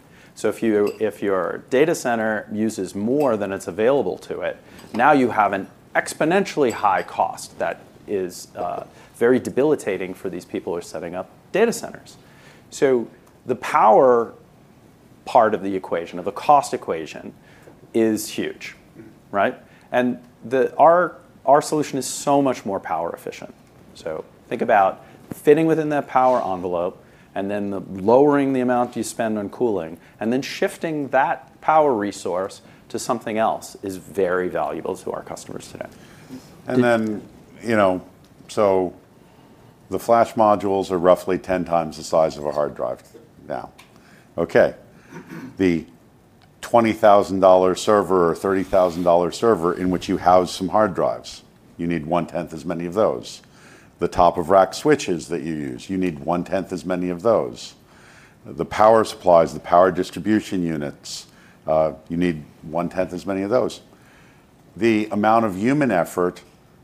Speaker 6: If your data center uses more than it's available to it, now you have an exponentially high cost that is very debilitating for these people who are setting up data centers. The power part of the equation, of the cost equation, is huge, right? Our solution is so much more power efficient. Think about fitting within that power envelope and then lowering the amount you spend on cooling and then shifting that power resource to something else is very valuable to our customers today.
Speaker 9: The flash modules are roughly 10x the size of a hard drive now. The $20,000 server or $30,000 server in which you house some hard drives, you need one-tenth as many of those. The top-of-rack switches that you use, you need one-tenth as many of those. The power supplies, the power distribution units, you need one-tenth as many of those. The amount of human effort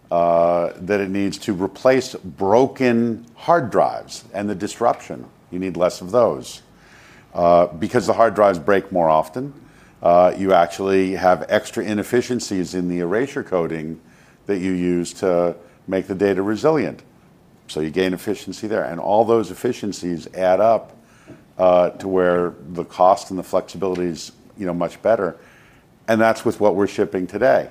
Speaker 9: that it needs to replace broken hard drives and the disruption, you need less of those. Because the hard drives break more often, you actually have extra inefficiencies in the erasure coding that you use to make the data resilient. You gain efficiency there. All those efficiencies add up to where the cost and the flexibility is much better. That's with what we're shipping today.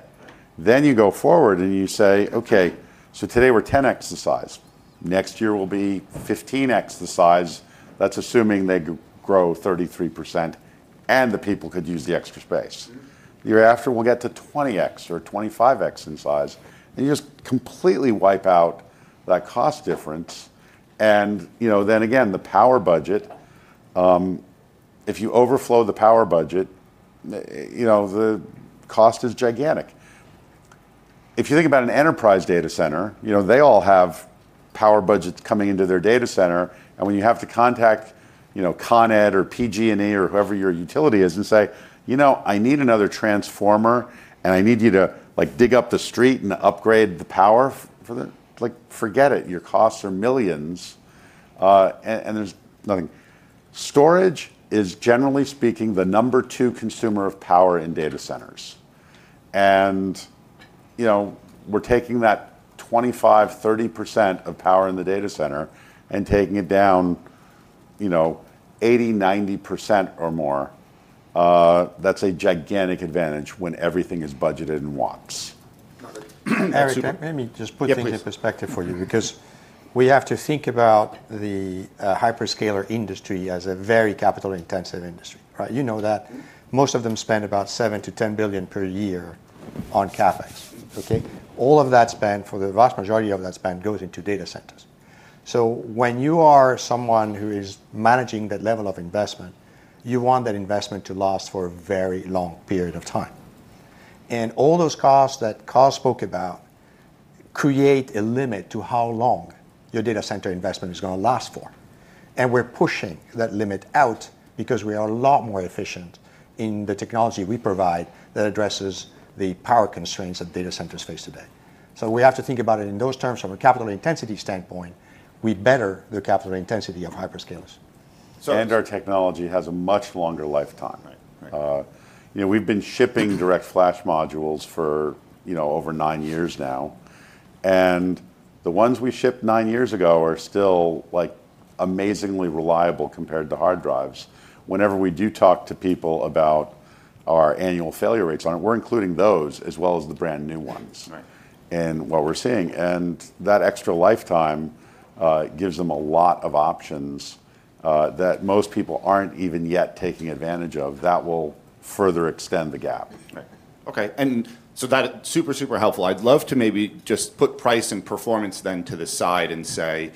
Speaker 9: You go forward and you say, today we're 10x the size. Next year we'll be 15x the size. That's assuming they grow 33% and the people could use the extra space. The year after we'll get to 20x or 25x in size. You just completely wipe out that cost difference. The power budget, if you overflow the power budget, the cost is gigantic. If you think about an enterprise data center, they all have power budgets coming into their data center. When you have to contact ConEd or PG&E or whoever your utility is and say, I need another transformer and I need you to dig up the street and upgrade the power for them, forget it, your costs are millions and there's nothing. Storage is, generally speaking, the number two consumer of power in data centers. We're taking that 25%, 30% of power in the data center and taking it down 80%, 90% or more. That's a gigantic advantage when everything is budgeted in watts. Eric, let me just put things in perspective for you because we have to think about the hyperscaler industry as a very capital-intensive industry, right? You know that most of them spend about $7 billion-$10 billion per year on CapEx. All of that spend, for the vast majority of that spend, goes into data centers. When you are someone who is managing that level of investment, you want that investment to last for a very long period of time. All those costs that Kaz spoke about create a limit to how long your data center investment is going to last for. We're pushing that limit out because we are a lot more efficient in the technology we provide that addresses the power constraints that data centers face today. We have to think about it in those terms. From a capital intensity standpoint, we better the capital intensity of hyperscalers. Our technology has a much longer lifetime. We've been shipping DirectFlash modules for over nine years now, and the ones we shipped nine years ago are still amazingly reliable compared to hard drives. Whenever we talk to people about our annual failure rates, we're including those as well as the brand new ones. What we're seeing is that extra lifetime gives them a lot of options that most people aren't even yet taking advantage of, which will further extend the gap.
Speaker 11: Okay. That's super, super helpful. I'd love to maybe just put price and performance to the side and say,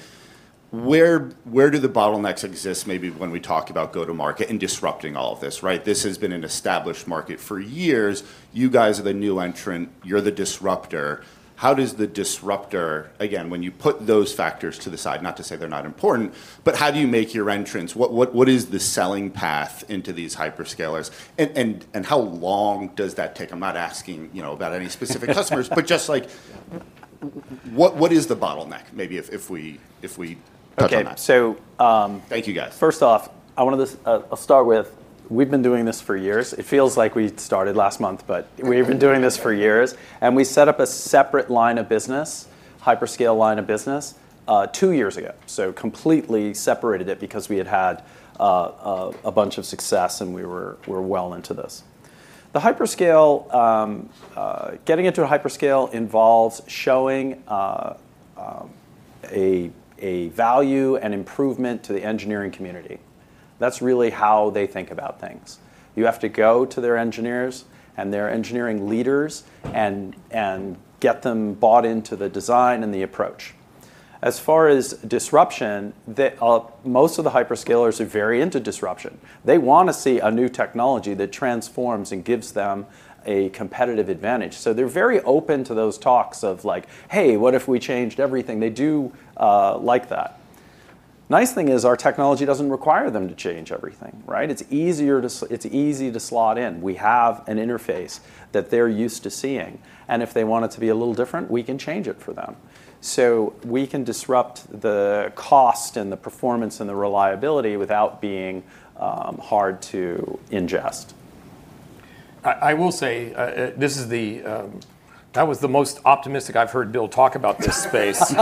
Speaker 11: where do the bottlenecks exist? When we talk about go-to-market and disrupting all of this, right? This has been an established market for years. You guys are the new entrant. You're the disruptor. How does the disruptor, when you put those factors to the side, not to say they're not important, but how do you make your entrants? What is the selling path into these hyperscalers, and how long does that take? I'm not asking about any specific customers, but just, what is the bottleneck? Maybe if we touch on that.
Speaker 6: Okay, thank you guys. First off, I want to just start with we've been doing this for years. It feels like we started last month, but we've been doing this for years. We set up a separate line of business, hyperscale line of business, two years ago. Completely separated it because we had had a bunch of success and we were well into this. The hyperscale, getting into a hyperscale involves showing a value and improvement to the engineering community. That's really how they think about things. You have to go to their engineers and their engineering leaders and get them bought into the design and the approach. As far as disruption, most of the hyperscalers are very into disruption. They want to see a new technology that transforms and gives them a competitive advantage. They're very open to those talks of like, hey, what if we changed everything? They do like that. The nice thing is our technology doesn't require them to change everything, right? It's easy to slot in. We have an interface that they're used to seeing. If they want it to be a little different, we can change it for them. We can disrupt the cost and the performance and the reliability without being hard to ingest.
Speaker 3: I will say this is the, that was the most optimistic I've heard Bill talk about this space. We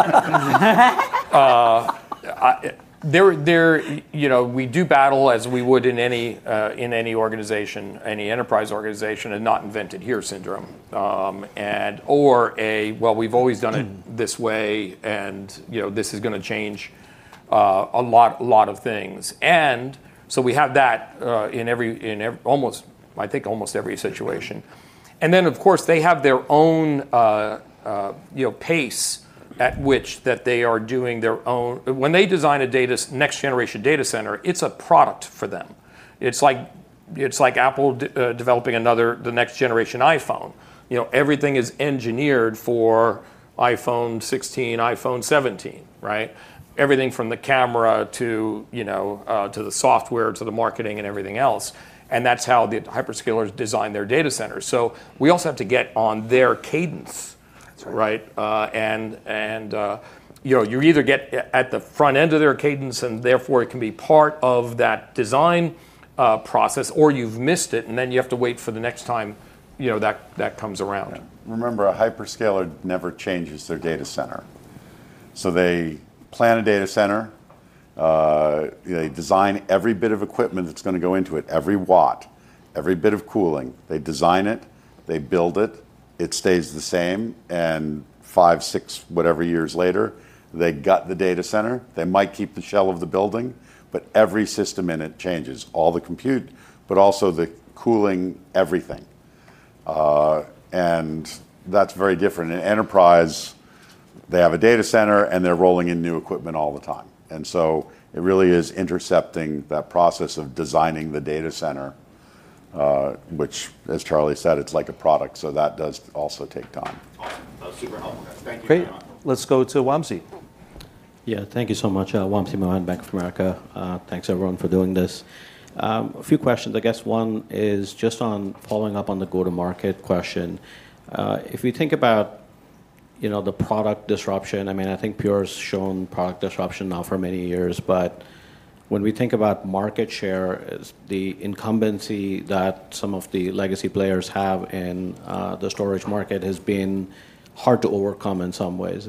Speaker 3: do battle, as we would in any organization, any enterprise organization, a not invented here syndrome or a, well, we've always done it this way. This is going to change a lot, a lot of things. We have that in almost every situation. Of course, they have their own pace at which they are doing their own, when they design a next generation data center, it's a product for them. It's like Apple developing another, the next generation iPhone. Everything is engineered for iPhone 16, iPhone 17, right? Everything from the camera to the software, to the marketing and everything else. That's how the hyperscalers design their data centers. We also have to get on their cadence, right? You either get at the front end of their cadence and therefore can be part of that design process, or you've missed it and then you have to wait for the next time that comes around.
Speaker 9: Remember, a hyperscaler never changes their data center. They plan a data center. They design every bit of equipment that's going to go into it, every watt, every bit of cooling. They design it, they build it, it stays the same. Five, six, whatever years later, they got the data center. They might keep the shell of the building, but every system in it changes, all the compute, also the cooling, everything. That's very different. In enterprise, they have a data center and they're rolling in new equipment all the time. It really is intercepting that process of designing the data center, which, as Charles Giancarlo said, it's like a product. That does also take time.
Speaker 2: Great. Let's go to Wamsi.
Speaker 12: Yeah, thank you so much. Wamsi Mohan Bank of America. Thanks everyone for doing this. A few questions, I guess. One is just on following up on the go-to-market question. If we think about, you know, the product disruption, I mean, I think Pure Storage has shown product disruption now for many years, but when we think about market share, the incumbency that some of the legacy players have in the storage market has been hard to overcome in some ways.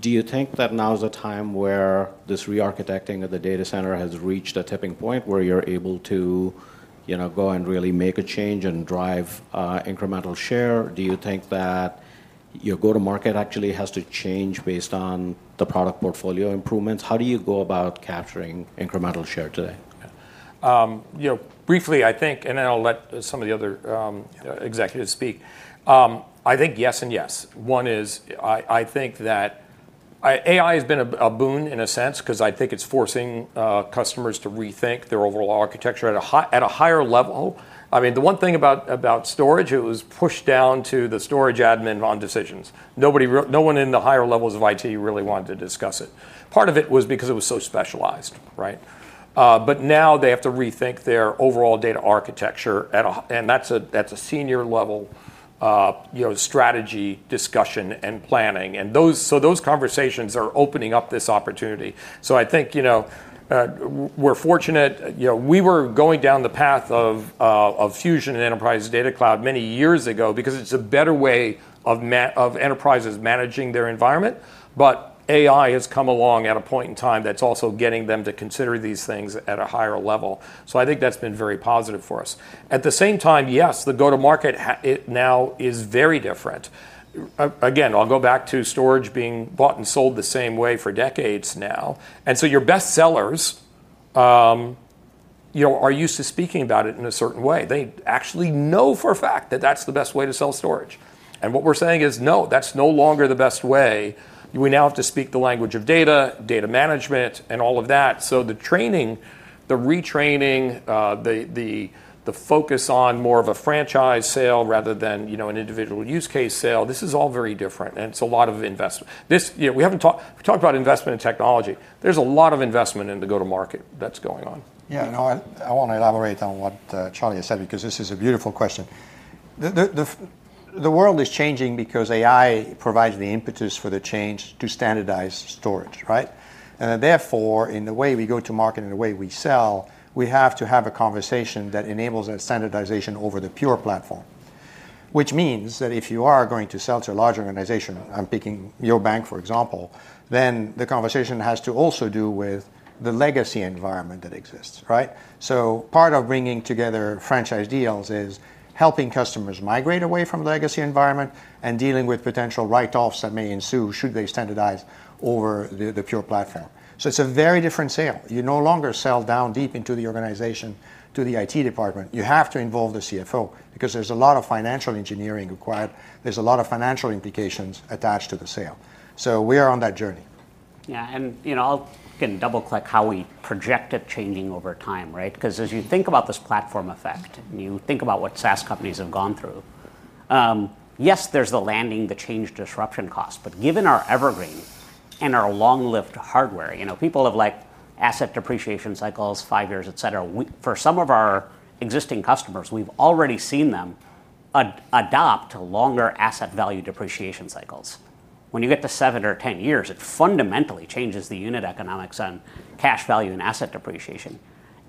Speaker 12: Do you think that now is the time where this re-architecting of the data center has reached a tipping point where you're able to, you know, go and really make a change and drive incremental share? Do you think that your go-to-market actually has to change based on the product portfolio improvements? How do you go about capturing incremental share today?
Speaker 3: You know, briefly, I think, and then I'll let some of the other executives speak. I think yes and yes. One is I think that AI has been a boon in a sense because I think it's forcing customers to rethink their overall architecture at a higher level. I mean, the one thing about storage, it was pushed down to the storage admin on decisions. Nobody, no one in the higher levels of IT really wanted to discuss it. Part of it was because it was so specialized, right? Now they have to rethink their overall data architecture. That's a senior level, you know, strategy discussion and planning. Those conversations are opening up this opportunity. I think, you know, we're fortunate, you know, we were going down the path of Fusion and Enterprise Data Cloud many years ago because it's a better way of enterprises managing their environment. AI has come along at a point in time that's also getting them to consider these things at a higher level. I think that's been very positive for us. At the same time, yes, the go-to-market now is very different. I'll go back to storage being bought and sold the same way for decades now. Your best sellers, you know, are used to speaking about it in a certain way. They actually know for a fact that that's the best way to sell storage. What we're saying is, no, that's no longer the best way. We now have to speak the language of data, data management, and all of that. The training, the retraining, the focus on more of a franchise sale rather than, you know, an individual use case sale, this is all very different. It's a lot of investment. We haven't talked about investment in technology. There's a lot of investment in the go-to-market that's going on. Yeah, no, I want to elaborate on what Charlie said because this is a beautiful question. The world is changing because AI provides the impetus for the change to standardize storage, right? Therefore, in the way we go to market and the way we sell, we have to have a conversation that enables a standardization over the Pure Storage platform, which means that if you are going to sell to a large organization, I'm picking your bank, for example, then the conversation has to also do with the legacy environment that exists, right? Part of bringing together franchise deals is helping customers migrate away from the legacy environment and dealing with potential write-offs that may ensue should they standardize over the Pure Storage platform. It's a very different sale. You no longer sell down deep into the organization to the IT department. You have to involve the CFO because there's a lot of financial engineering required. There's a lot of financial implications attached to the sale. We are on that journey.
Speaker 5: I'll again double-click how we project it changing over time, right? As you think about this platform effect and you think about what SaaS companies have gone through, yes, there's the landing, the change disruption cost. Given our Evergreen and our long-lived hardware, people have asset depreciation cycles, five years, etc. For some of our existing customers, we've already seen them adopt longer asset value depreciation cycles. When you get to seven or ten years, it fundamentally changes the unit economics on cash value and asset depreciation.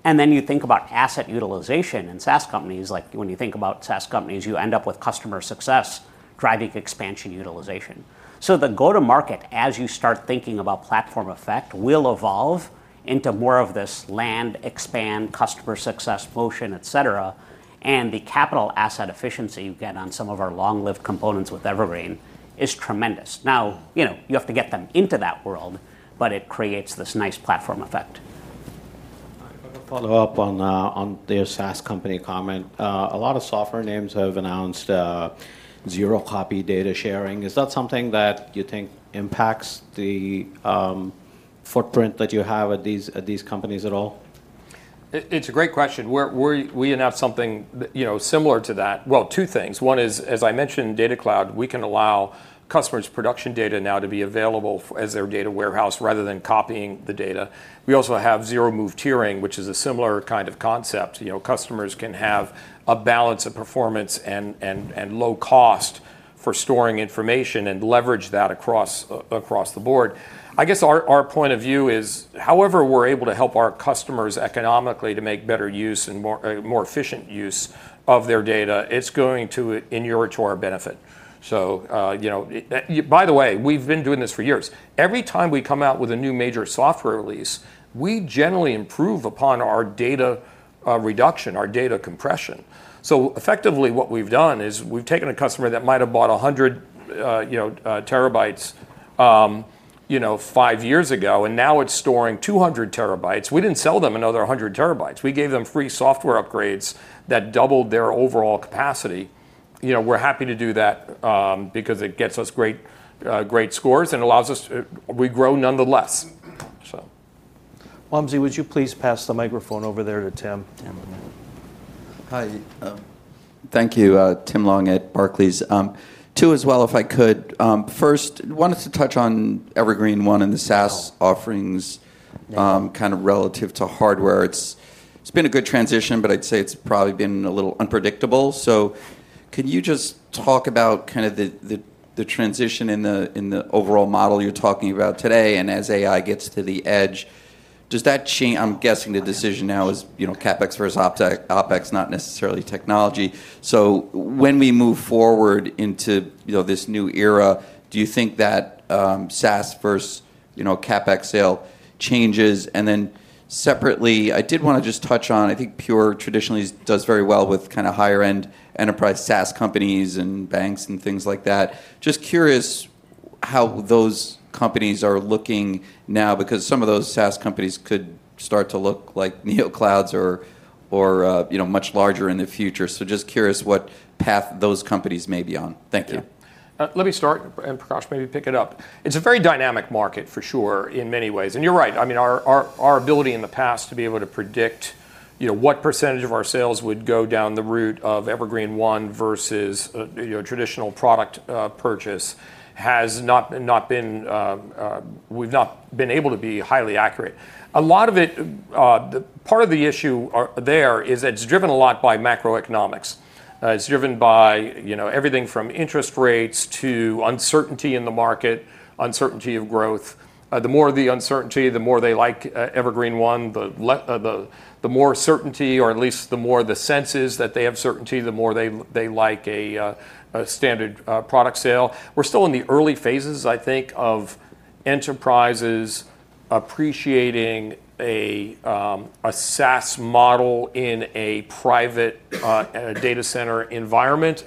Speaker 5: Then you think about asset utilization in SaaS companies. When you think about SaaS companies, you end up with customer success driving expansion utilization. The go-to-market, as you start thinking about platform effect, will evolve into more of this land, expand, customer success motion, etc. The capital asset efficiency you get on some of our long-lived components with Evergreen is tremendous. You have to get them into that world, but it creates this nice platform effect.
Speaker 12: I'm going to follow up on the SaaS company comment. A lot of software names have announced zero copy data sharing. Is that something that you think impacts the footprint that you have at these companies at all?
Speaker 3: It's a great question. We announced something similar to that. Two things. One is, as I mentioned, Data Cloud, we can allow customers' production data now to be available as their data warehouse rather than copying the data. We also have zero move tiering, which is a similar kind of concept. Customers can have a balance of performance and low cost for storing information and leverage that across the board. I guess our point of view is, however we're able to help our customers economically to make better use and more efficient use of their data, it's going to in your or to our benefit. By the way, we've been doing this for years. Every time we come out with a new major software release, we generally improve upon our data reduction, our data compression. Effectively, what we've done is we've taken a customer that might have bought 100 terabytes five years ago, and now it's storing 200 terabytes. We didn't sell them another 100 terabytes. We gave them free software upgrades that doubled their overall capacity. We're happy to do that because it gets us great scores and allows us, we grow nonetheless.
Speaker 2: Wamsi, would you please pass the microphone over there to Tim?
Speaker 13: Hi, thank you, Tim Long at Barclays. Two as well, if I could. First, I wanted to touch on Evergreen//One and the SaaS offerings kind of relative to hardware. It's been a good transition, but I'd say it's probably been a little unpredictable. Can you just talk about the transition in the overall model you're talking about today? As AI gets to the edge, does that change? I'm guessing the decision now is, you know, CapEx versus OpEx, not necessarily technology. When we move forward into this new era, do you think that SaaS versus, you know, CapEx sale changes? Separately, I did want to just touch on, I think Pure Storage traditionally does very well with kind of higher-end enterprise SaaS companies and banks and things like that. Just curious how those companies are looking now because some of those SaaS companies could start to look like NeoClouds or, you know, much larger in the future. Just curious what path those companies may be on.
Speaker 3: Thank you. Let me start and Prakash maybe pick it up. It's a very dynamic market for sure in many ways. You're right. I mean, our ability in the past to be able to predict, you know, what % of our sales would go down the route of Evergreen//One versus, you know, traditional product purchase has not been, we've not been able to be highly accurate. A lot of it, part of the issue there is that it's driven a lot by macroeconomics. It's driven by, you know, everything from interest rates to uncertainty in the market, uncertainty of growth. The more the uncertainty, the more they like Evergreen//One, the more certainty, or at least the more the sense is that they have certainty, the more they like a standard product sale. We're still in the early phases, I think, of enterprises appreciating a SaaS model in a private data center environment.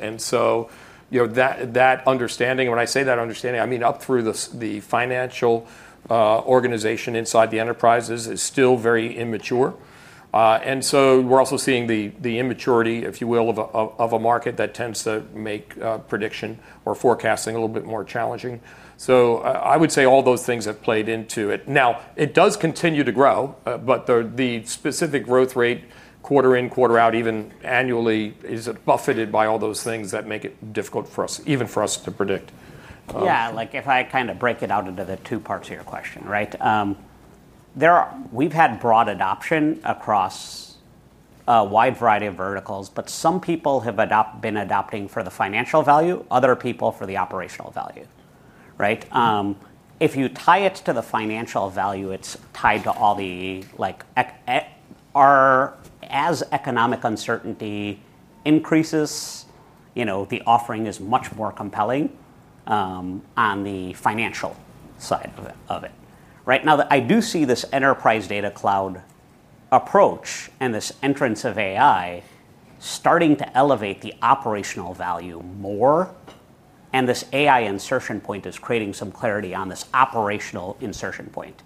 Speaker 3: That understanding, when I say that understanding, I mean up through the financial organization inside the enterprises, is still very immature. We're also seeing the immaturity, if you will, of a market that tends to make prediction or forecasting a little bit more challenging. I would say all those things have played into it. It does continue to grow, but the specific growth rate quarter in, quarter out, even annually, is buffeted by all those things that make it difficult for us, even for us to predict.
Speaker 5: Yeah, like if I kind of break it out into the two parts of your question, right? We've had broad adoption across a wide variety of verticals, but some people have been adopting for the financial value, other people for the operational value, right? If you tie it to the financial value, it's tied to all the, like, as economic uncertainty increases, the offering is much more compelling on the financial side of it, right? I do see this enterprise data cloud approach and this entrance of AI starting to elevate the operational value more. This AI insertion point is creating some clarity on this operational insertion point.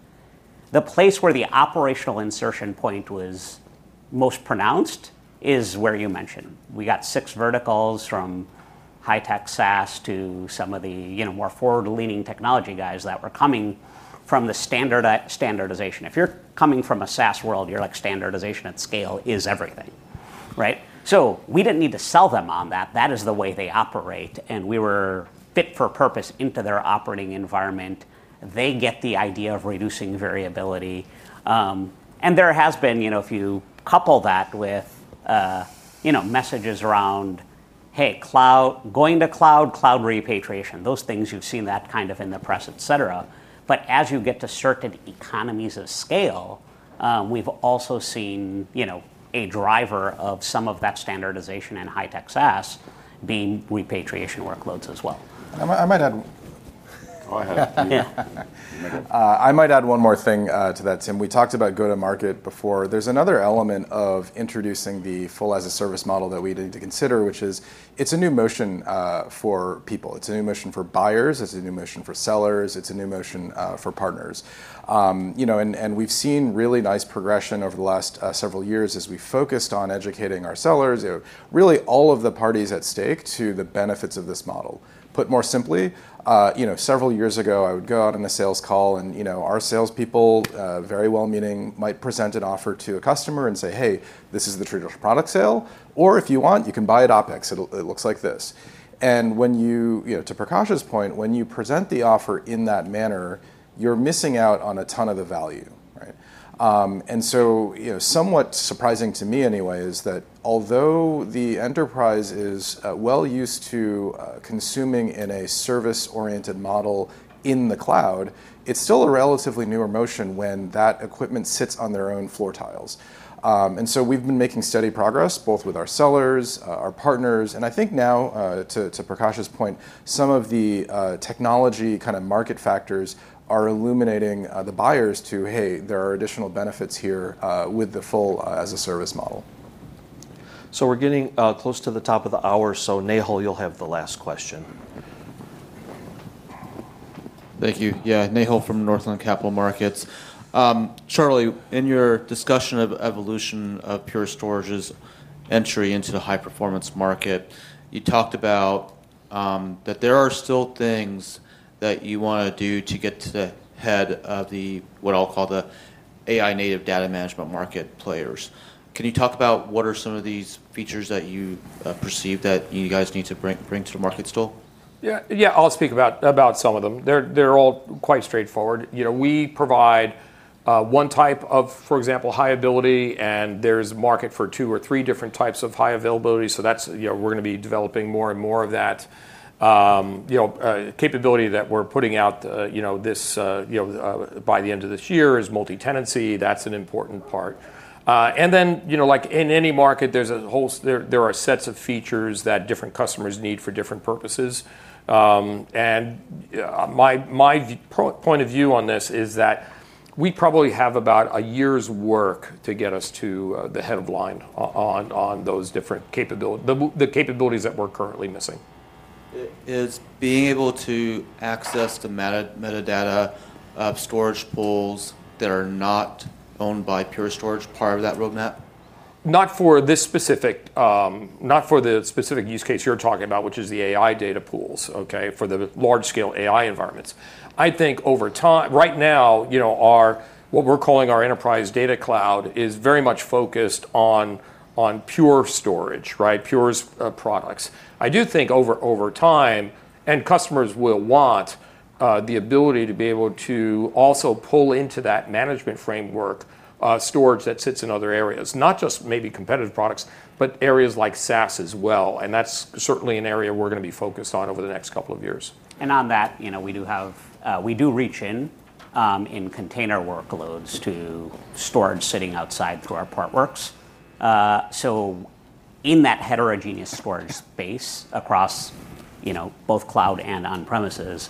Speaker 5: The place where the operational insertion point was most pronounced is where you mentioned. We got six verticals from high-tech SaaS to some of the, you know, more forward-leaning technology guys that were coming from the standardization. If you're coming from a SaaS world, you're like standardization at scale is everything, right? We didn't need to sell them on that. That is the way they operate. We were fit for purpose into their operating environment. They get the idea of reducing variability. There has been, you know, if you couple that with, you know, messages around, hey, cloud, going to cloud, cloud repatriation, those things you've seen that kind of in the press, et cetera. As you get to certain economies of scale, we've also seen a driver of some of that standardization in high-tech SaaS being repatriation workloads as well.
Speaker 4: I might add one more thing to that, Tim. We talked about go-to-market before. There's another element of introducing the full as-a-service model that we need to consider, which is it's a new motion for people. It's a new motion for buyers. It's a new motion for sellers. It's a new motion for partners. We've seen really nice progression over the last several years as we focused on educating our sellers, really all of the parties at stake to the benefits of this model. Put more simply, several years ago, I would go out on a sales call and our salespeople, very well meaning, might present an offer to a customer and say, hey, this is the traditional product sale, or if you want, you can buy it OpEx. It looks like this. When you, to Prakash's point, present the offer in that manner, you're missing out on a ton of the value, right? Somewhat surprising to me anyway is that although the enterprise is well used to consuming in a service-oriented model in the cloud, it's still a relatively newer motion when that equipment sits on their own floor tiles. We've been making steady progress both with our sellers, our partners, and I think now, to Prakash's point, some of the technology kind of market factors are illuminating the buyers to, hey, there are additional benefits here with the full as-a-service model.
Speaker 2: We're getting close to the top of the hour, so Nehal, you'll have the last question.
Speaker 14: Thank you. Yeah, Nehal from Northland Capital Markets. Charlie, in your discussion of evolution of Pure Storage's entry into the high-performance market, you talked about that there are still things that you want to do to get to the head of the, what I'll call the AI-native data management market players. Can you talk about what are some of these features that you perceive that you guys need to bring to the market still?
Speaker 3: Yeah. I'll speak about some of them. They're all quite straightforward. You know, we provide one type of, for example, high availability, and there's a market for two or three different types of high availability. That's, you know, we're going to be developing more and more of that capability that we're putting out. This, by the end of this year, is multi-tenancy. That's an important part. In any market, there are sets of features that different customers need for different purposes. My point of view on this is that we probably have about a year's work to get us to the head of line on those different capabilities, the capabilities that we're currently missing. Is being able to access the metadata of storage pools that are not owned by Pure Storage part of that roadmap? Not for this specific, not for the specific use case you're talking about, which is the AI data pools, for the large-scale AI environments. I think over time, right now, what we're calling our enterprise data cloud is very much focused on Pure Storage, Pure's products. I do think over time, customers will want the ability to be able to also pull into that management framework storage that sits in other areas, not just maybe competitive products, but areas like SaaS as well. That's certainly an area we're going to be focused on over the next couple of years.
Speaker 5: We do reach in container workloads to storage sitting outside through our Portworx. In that heterogeneous storage space across both cloud and on-premises,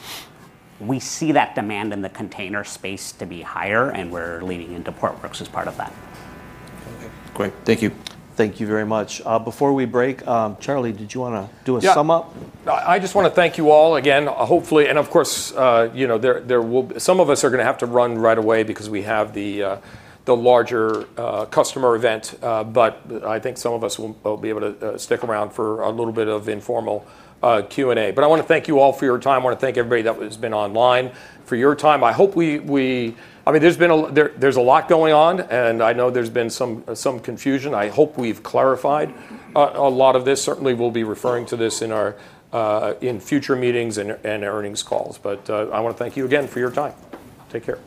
Speaker 5: we see that demand in the container space to be higher, and we're leaning into Portworx as part of that.
Speaker 14: Great, thank you.
Speaker 2: Thank you very much. Before we break, Charlie, did you want to do a sum up?
Speaker 3: No, I just want to thank you all again, hopefully, and of course, you know, some of us are going to have to run right away because we have the larger customer event. I think some of us will be able to stick around for a little bit of informal Q&A. I want to thank you all for your time. I want to thank everybody that has been online for your time. I hope we, I mean, there's a lot going on, and I know there's been some confusion. I hope we've clarified a lot of this. Certainly, we'll be referring to this in our future meetings and earnings calls. I want to thank you again for your time. Take care.